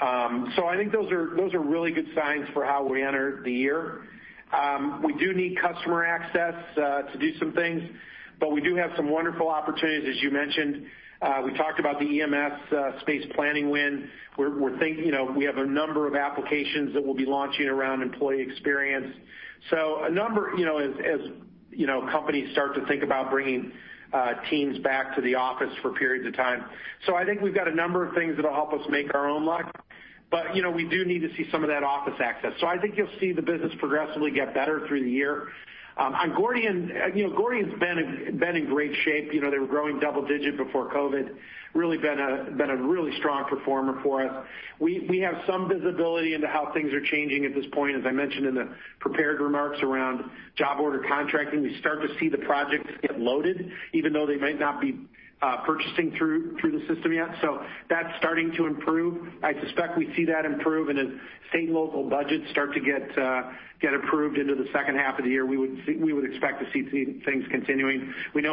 I think those are really good signs for how we enter the year. We do need customer access to do some things, but we do have some wonderful opportunities, as you mentioned. We talked about the EMS space planning win. We have a number of applications that we'll be launching around employee experience, as companies start to think about bringing teams back to the office for periods of time. I think we've got a number of things that'll help us make our own luck, but we do need to see some of that office access. I think you'll see the business progressively get better through the year. Gordian's been in great shape. They were growing double-digit before COVID-19, really been a really strong performer for us. We have some visibility into how things are changing at this point, as I mentioned in the prepared remarks around job order contracting. We start to see the projects get loaded, even though they might not be purchasing through the system yet. That's starting to improve. I suspect we see that improve, and as state and local budgets start to get approved into the second half of the year, we would expect to see things continuing. If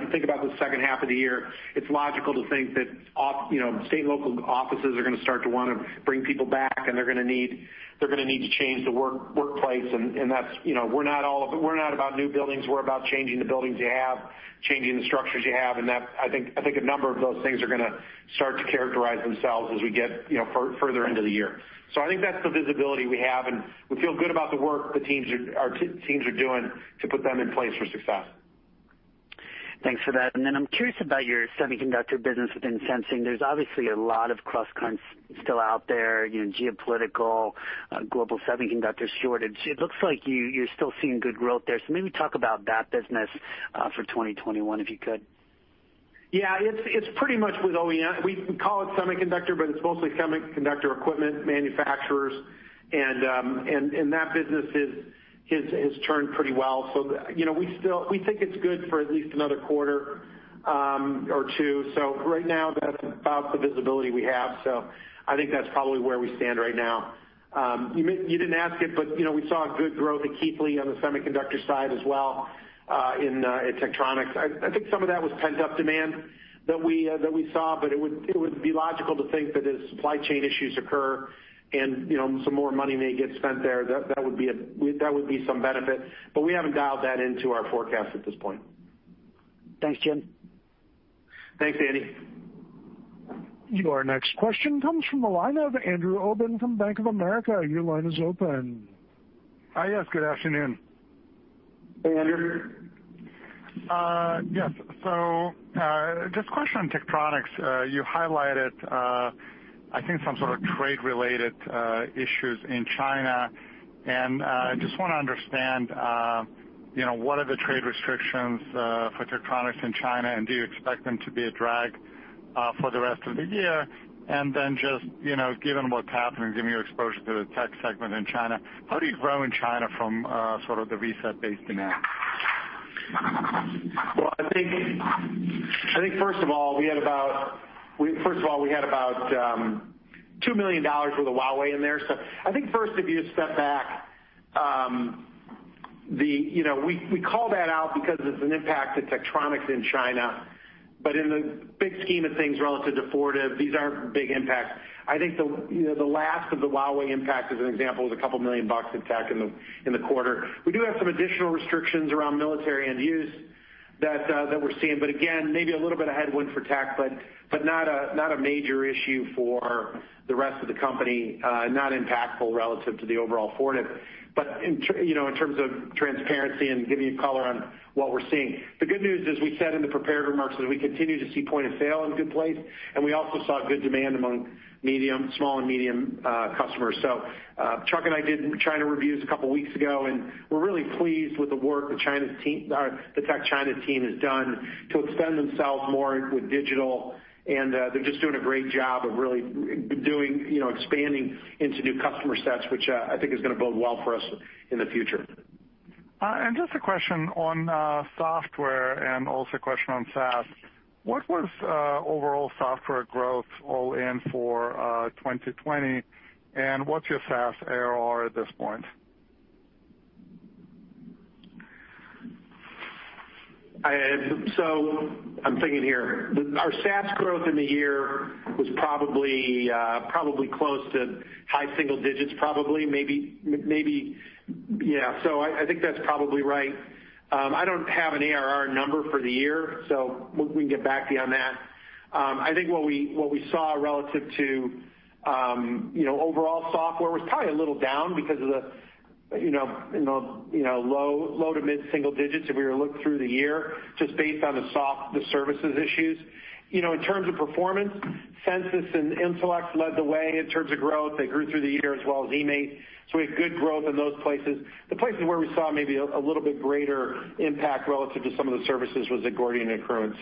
you think about the second half of the year, it's logical to think that state and local offices are going to start to want to bring people back, and they're going to need to change the workplace, and we're not about new buildings. We're about changing the buildings you have, changing the structures you have, and I think a number of those things are going to start to characterize themselves as we get further into the year. I think that's the visibility we have, and we feel good about the work our teams are doing to put them in place for success. Thanks for that. I'm curious about your semiconductor business within Sensing. There's obviously a lot of cross-currents still out there, geopolitical, global semiconductor shortage. It looks like you're still seeing good growth there. Maybe talk about that business for 2021, if you could. We call it semiconductor, it's mostly semiconductor equipment manufacturers, that business has turned pretty well. We think it's good for at least another quarter or two. Right now, that's about the visibility we have. I think that's probably where we stand right now. You didn't ask it, we saw good growth at Keithley on the semiconductor side as well in Tektronix. I think some of that was pent-up demand that we saw, it would be logical to think that as supply chain issues occur and some more money may get spent there, that would be some benefit. We haven't dialed that into our forecast at this point. Thanks, Jim. Thanks, Andy. Your next question comes from the line of Andrew Obin from Bank of America. Your line is open. Yes. Good afternoon. Hey, Andrew. Yes. Just a question on Tektronix. You highlighted, I think some sort of trade-related issues in China. I just want to understand what are the trade restrictions for Tektronix in China, and do you expect them to be a drag for the rest of the year? Just given what's happening, given your exposure to the tech segment in China, how do you grow in China from sort of the reset base demand? Well, I think, first of all, we had about $2 million worth of Huawei in there. I think first, if you step back. We call that out because it's an impact to Tektronix in China. In the big scheme of things relative to Fortive, these aren't big impacts. I think the last of the Huawei impact, as an example, was a couple million dollars of Tek in the quarter. We do have some additional restrictions around military end use that we're seeing, but again, maybe a little bit of headwind for Tek, but not a major issue for the rest of the company, not impactful relative to the overall Fortive, but in terms of transparency and giving you color on what we're seeing. The good news, as we said in the prepared remarks, is we continue to see point of sale in good place, and we also saw good demand among small and medium customers. Chuck and I did China reviews a couple of weeks ago, and we're really pleased with the work the Tek China team has done to extend themselves more with digital, and they're just doing a great job of really expanding into new customer sets, which I think is going to bode well for us in the future. Just a question on software, and also a question on SaaS. What was overall software growth all in for 2020, and what's your SaaS ARR at this point? I'm thinking here. Our SaaS growth in the year was probably close to high single digits, probably. Maybe, yeah. I think that's probably right. I don't have an ARR number for the year, so we can get back to you on that. I think what we saw relative to overall software was probably a little down because of the low to mid single digits, if we were to look through the year, just based on the services issues. In terms of performance, Censis and Intelex led the way in terms of growth. They grew through the year as well as eMaint, so we had good growth in those places. The places where we saw maybe a little bit greater impact relative to some of the services was at Gordian and Accruent.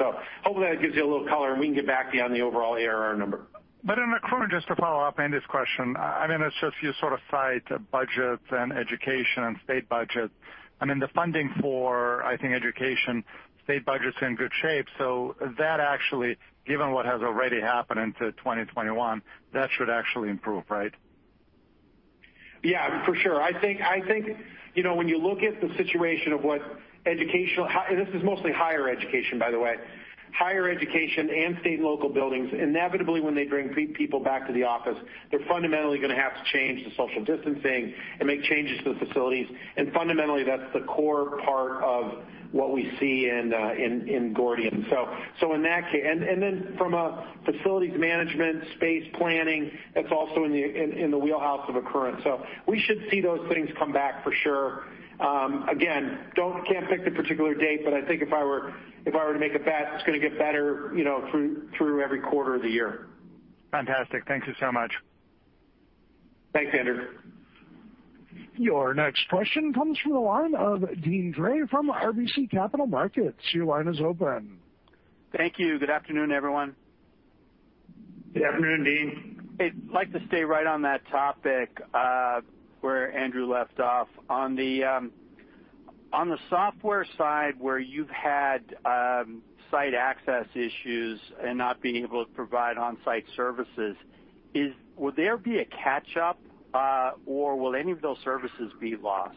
Hopefully that gives you a little color, and we can get back to you on the overall ARR number. On Accruent, just to follow up Andrew's question. I mean, it's just you sort of cite budgets and education and state budgets. I mean, the funding for, I think, education, state budget's in good shape. That actually, given what has already happened into 2021, that should actually improve, right? Yeah, for sure. I think, when you look at the situation of what educational-- This is mostly higher education, by the way. Higher education and state and local buildings, inevitably, when they bring people back to the office, they're fundamentally going to have to change the social distancing and make changes to the facilities. Fundamentally, that's the core part of what we see in Gordian. Then, from a facilities management space planning, that's also in the wheelhouse of Accruent. We should see those things come back for sure. Again, can't pick the particular date, but I think if I were to make a bet, it's going to get better through every quarter of the year. Fantastic. Thank you so much. Thanks, Andrew. Your next question comes from the line of Deane Dray from RBC Capital Markets. Your line is open. Thank you. Good afternoon, everyone. Good afternoon, Deane. I'd like to stay right on that topic where Andrew left off. On the software side, where you've had site access issues and not being able to provide on-site services, will there be a catch-up or will any of those services be lost?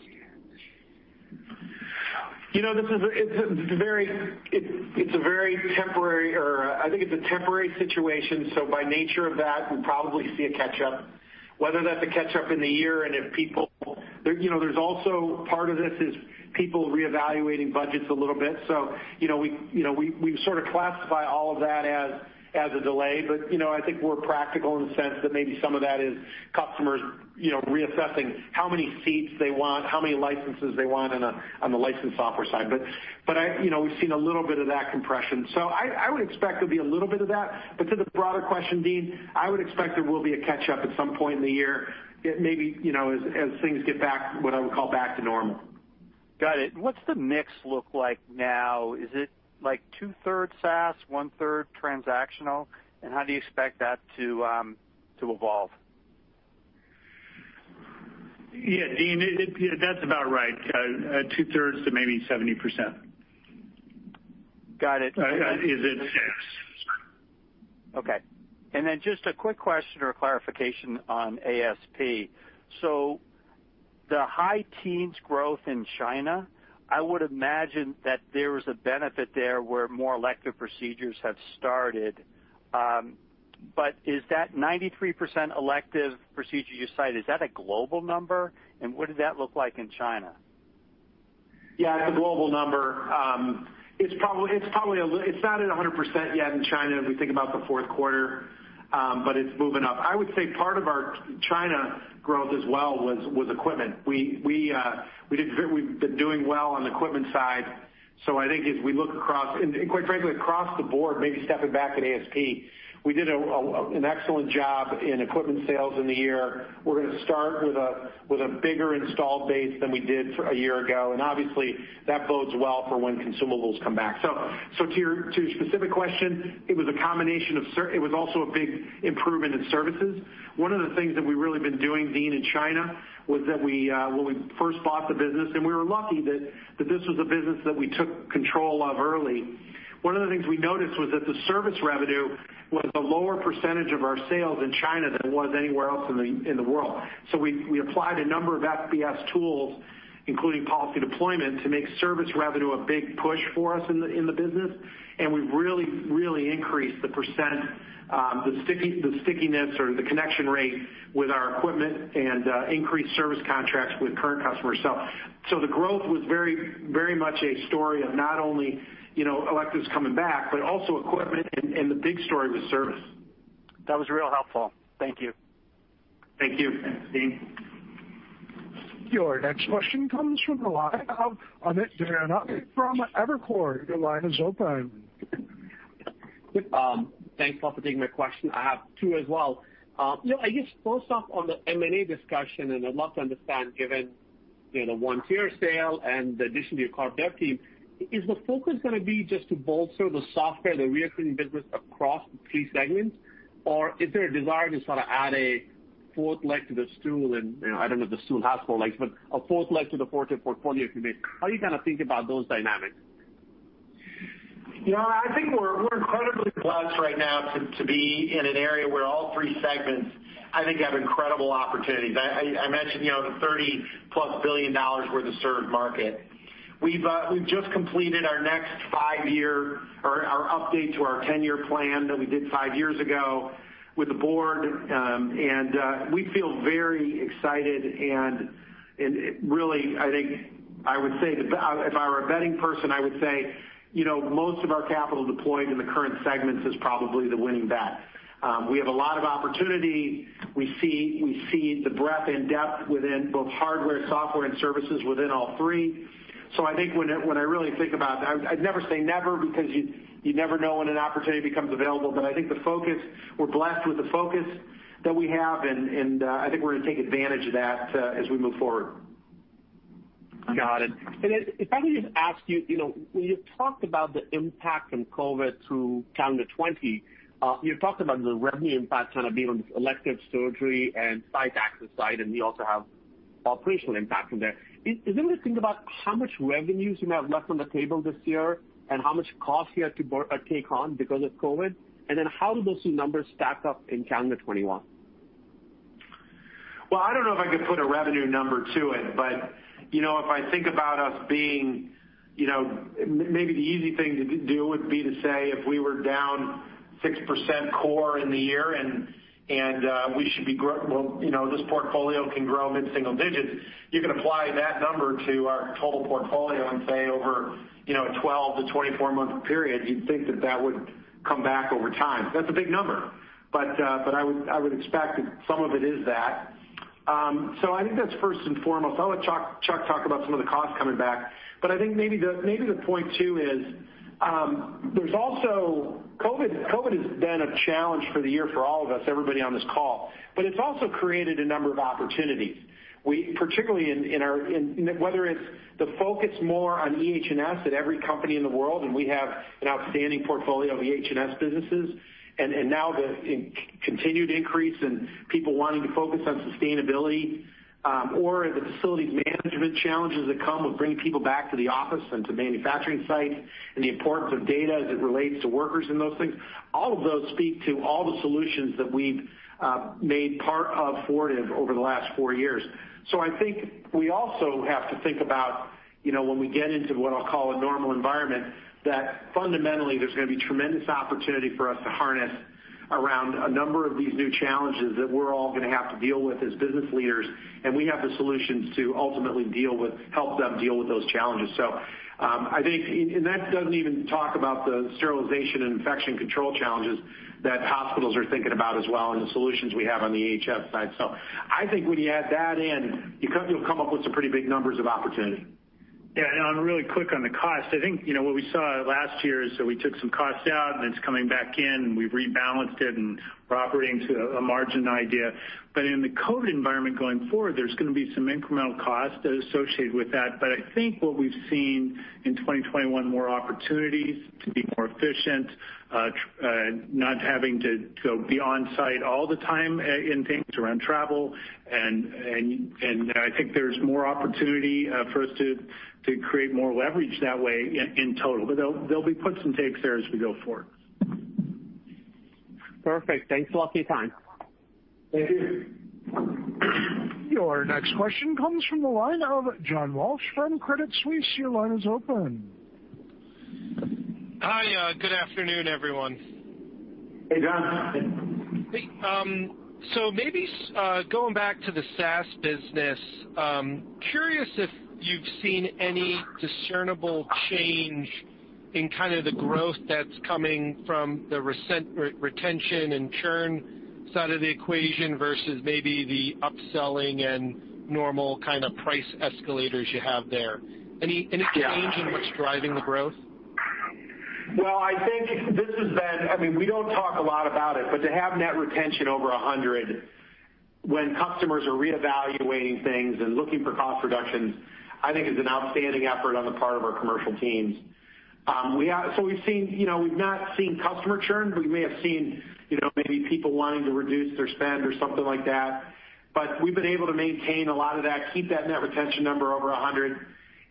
I think it's a temporary situation; by nature of that, we'll probably see a catch-up. Whether that's a catch-up in the year, and if people also part of this is people reevaluating budgets a little bit. We sort of classify all of that as a delay. I think we're practical in the sense that maybe some of that is customers reassessing how many seats they want, how many licenses they want on the licensed software side. We've seen a little bit of that compression. I would expect there'll be a little bit of that. To the broader question, Deane, I would expect there will be a catch-up at some point in the year, maybe as things get back, what I would call back to normal. Got it. What's the mix look like now? Is it like two-third SaaS, one-third transactional? How do you expect that to evolve? Yeah, Deane, that's about right. Two-thirds to maybe 70%. Got it. Is it six? Okay. Just a quick question or clarification on ASP. The high-teens growth in China, I would imagine that there was a benefit there where more elective procedures have started. Is that 93% elective procedure you cite, is that a global number? What does that look like in China? Yeah, it's a global number. It's not at 100% yet in China as we think about the fourth quarter, but it's moving up. I would say part of our China growth, as well, was equipment. We've been doing well on the equipment side. I think if we look across, and quite frankly, across the board, maybe stepping back at ASP, we did an excellent job in equipment sales in the year. We're going to start with a bigger installed base than we did a year ago. Obviously, that bodes well for when consumables come back. To your specific question, it was also a big improvement in services. One of the things that we've really been doing, Deane, in China was that when we first bought the business, and we were lucky that this was a business that we took control of early. One of the things we noticed was that the service revenue was a lower percentage of our sales in China than it was anywhere else in the world. We applied a number of FBS tools, including policy deployment, to make service revenue a big push for us in the business. We've really increased the percent, the stickiness or the connection rate with our equipment and increased service contracts with current customers. The growth was very much a story of not only electives coming back, but also equipment, and the big story was service. That was real helpful. Thank you. Thank you. Thanks, Deane. Your next question comes from the line of Amit Daryanani from Evercore. Your line is open. Thanks a lot for taking my question. I have two as well. I guess first off on the M&A discussion, I'd love to understand, given the Vontier sale and the addition to your corp dev team, is the focus going to be just to bolster the software, the recurring business across the key segments? Is there a desire to sort of add a fourth leg to the stool and I don't know if the stool has four legs, but a fourth leg to the Fortive portfolio, if you may. How are you going to think about those dynamics? I think we're incredibly blessed right now to be in an area where all three segments, I think, have incredible opportunities. I mentioned the $30+ billion worth of served market. We've just completed our next five-year or our update to our 10-year plan that we did five years ago with the board. We feel very excited. Really, I think I would say that if I were a betting person, I would say, most of our capital deployed in the current segments is probably the winning bet. We have a lot of opportunity. We see the breadth and depth within both hardware, software, and services within all three. I think when I really think about I'd never say never because you never know when an opportunity becomes available. I think we're blessed with the focus that we have, and I think we're going to take advantage of that as we move forward. Got it. If I could just ask you, when you talked about the impact from COVID through calendar 2020, you talked about the revenue impact kind of being on elective surgery and site access side, and you also have operational impact from there. Is there anything about how much revenues you may have left on the table this year and how much cost you had to take on because of COVID? How do those two numbers stack up in calendar 2021? Well, I don't know if I could put a revenue number to it, but if I think about us being, maybe the easy thing to do would be to say if we were down 6% core in the year, and this portfolio can grow mid-single digits. You can apply that number to our total portfolio and say over 12 to 24-month period, you'd think that that would come back over time. That's a big number. I would expect that some of it is that. I think that's first and foremost. I'll let Chuck talk about some of the costs coming back. I think maybe the point, too, is COVID has been a challenge for the year for all of us, everybody on this call, but it's also created a number of opportunities. Whether it's the focus more on EHS at every company in the world, and we have an outstanding portfolio of EHS businesses. Now, the continued increase in people wanting to focus on sustainability, or the facilities management challenges that come with bringing people back to the office and to manufacturing sites, and the importance of data as it relates to workers and those things. All of those speak to all the solutions that we've made part of Fortive over the last four years. I think we also have to think about when we get into what I'll call a normal environment, that fundamentally there's going to be tremendous opportunity for us to harness around a number of these new challenges that we're all going to have to deal with as business leaders, and we have the solutions to ultimately help them deal with those challenges. That doesn't even talk about the sterilization and infection control challenges that hospitals are thinking about as well, and the solutions we have on the EHS side. I think when you add that in, you'll come up with some pretty big numbers of opportunity. Yeah, really quick on the cost. I think what we saw last year is that we took some costs out, and it's coming back in, and we've rebalanced it, and we're operating to a margin idea. In the COVID environment going forward, there's going to be some incremental costs associated with that. I think what we've seen in 2021, more opportunities to be more efficient, not having to go be on-site all the time in things around travel. I think there's more opportunity for us to create more leverage that way in total. There'll be puts and takes there as we go forward. Perfect. Thanks a lot for your time. Thank you. Your next question comes from the line of John Walsh from Credit Suisse. Your line is open. Hi. Good afternoon, everyone. Hey, John. Maybe going back to the SaaS business. Curious if you've seen any discernible change in kind of the growth that's coming from the retention and churn side of the equation versus maybe the upselling and normal kind of price escalators you have there? Any change in what's driving the growth? I think this has been. We don't talk a lot about it, but to have net retention over 100 when customers are reevaluating things and looking for cost reductions, I think, is an outstanding effort on the part of our commercial teams. We've not seen customer churn. We may have seen maybe people wanting to reduce their spend or something like that. We've been able to maintain a lot of that, keep that net retention number over 100,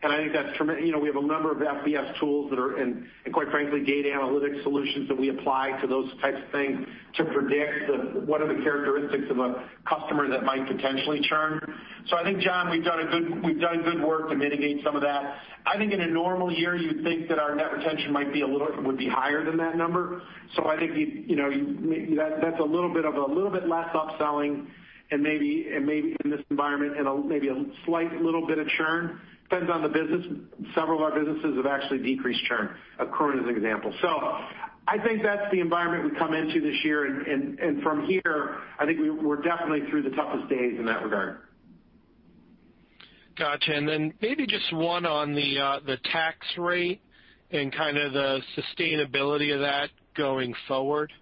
and I think that's tremendous. We have a number of FBS tools that are in, and quite frankly, data analytics solutions that we apply to those types of things to predict what are the characteristics of a customer that might potentially churn. I think, John, we've done good work to mitigate some of that. I think in a normal year, you'd think that our net retention would be higher than that number. I think that's a little bit less upselling and maybe in this environment, and maybe a slight little bit of churn. Depends on the business. Several of our businesses have actually decreased churn, Accruent as an example. I think that's the environment we come into this year, and from here, I think we're definitely through the toughest days in that regard. Got you. Maybe just one on the tax rate and kind of the sustainability of that going forward.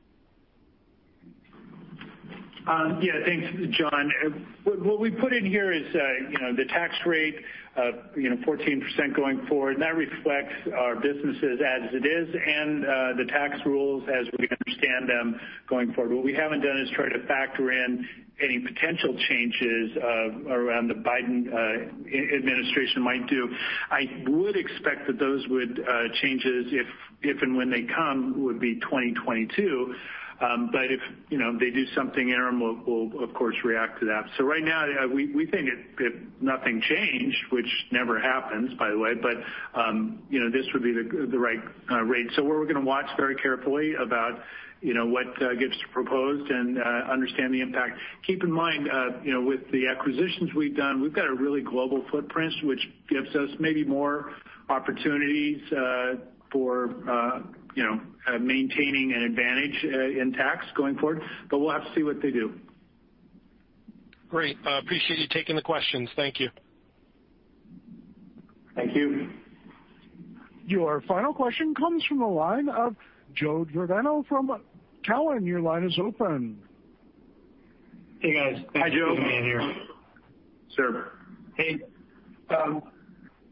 Thanks, John. What we put in here is the tax rate of 14% going forward. That reflects our businesses as it is and the tax rules as we understand them going forward. What we haven't done is try to factor in any potential changes around the Biden administration might do. I would expect that those changes, if and when they come, would be 2022. If they do something interim, we'll of course, react to that. Right now, we think if nothing changed, which never happens by the way, this would be the right rate. We're going to watch very carefully about what gets proposed and understand the impact. Keep in mind, with the acquisitions we've done, we've got a really global footprint, which gives us maybe more opportunities for maintaining an advantage in tax going forward. We'll have to see what they do. Great. I appreciate you taking the questions. Thank you. Thank you. Your final question comes from the line of Joe Giordano from Cowen. Your line is open. Hey, guys. Hi, Joe. Thanks for taking me in here. Sure. Hey.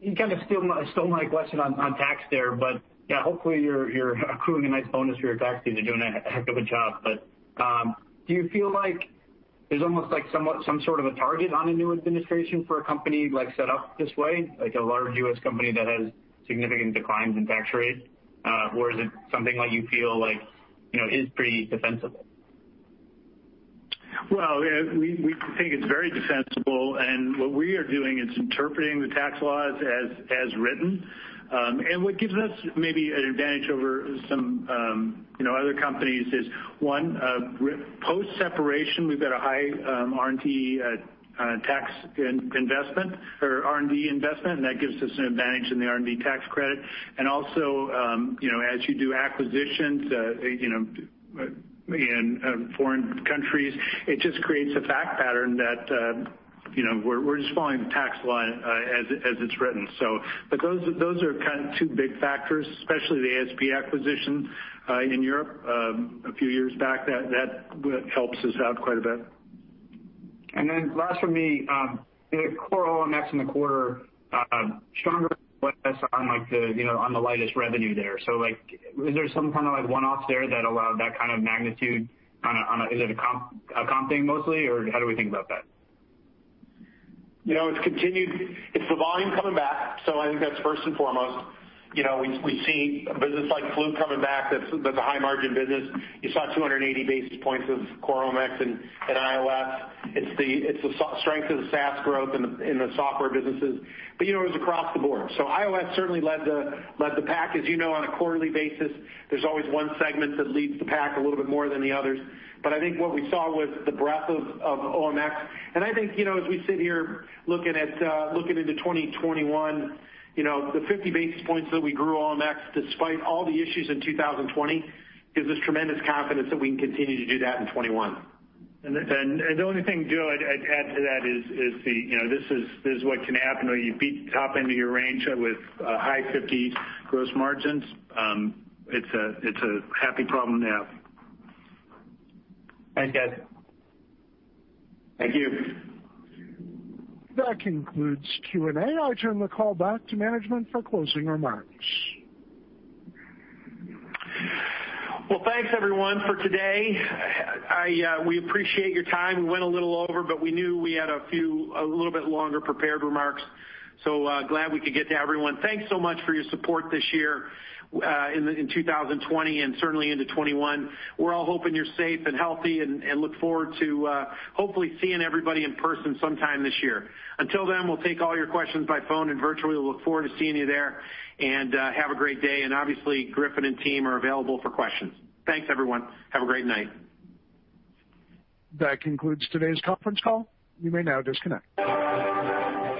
You kind of stole my question on tax there. Hopefully, you're accruing a nice bonus for your tax team. You're doing a heck of a job. Do you feel like there's almost like somewhat some sort of a target on a new administration for a company set up this way, like a large U.S. company that has significant declines in tax rates? Or is it something that you feel like is pretty defensible? Well, we think it's very defensible, and what we are doing is interpreting the tax laws as written. What gives us maybe an advantage over some other companies is one, post-separation, we've got a high R&D tax investment or R&D investment, and that gives us an advantage in the R&D tax credit. Also, as you do acquisitions in foreign countries, it just creates a fact pattern that we're just following the tax law as it's written. Those are kind of two big factors, especially the ASP acquisition in Europe a few years back. That helps us out quite a bit. Last from me, the core OMX in the quarter stronger on the lightest revenue there. Is there some kind of one-offs there that allowed that kind of magnitude? Is it a comp thing mostly, or how do we think about that? It's the volume coming back. I think that's first and foremost. We've seen a business like Fluke coming back, that's a high-margin business. You saw 280 basis points of core OMX in IOS. It's the strength of the SaaS growth in the software businesses, but it was across the board. IOS certainly led the pack. As you know on a quarterly basis, there's always one segment that leads the pack a little bit more than the others. I think what we saw was the breadth of OMX. I think as we sit here looking into 2021, the 50 basis points that we grew OMX despite all the issues in 2020 gives us tremendous confidence that we can continue to do that in 2021. The only thing, Joe, I'd add to that is this is what can happen when you beat the top end of your range with high fifties gross margins. It's a happy problem to have. Thanks, guys. Thank you. That concludes Q&A. I'll turn the call back to management for closing remarks. Well, thanks everyone for today. We appreciate your time. We went a little over, but we knew we had a little bit longer prepared remarks. Glad we could get to everyone. Thanks so much for your support this year in 2020 and certainly into 2021. We're all hoping you're safe and healthy, and look forward to hopefully seeing everybody in person sometime this year. Until then, we'll take all your questions by phone and virtually. We look forward to seeing you there and have a great day. Obviously Griffin and team are available for questions. Thanks, everyone. Have a great night. That concludes today's conference call. You may now disconnect.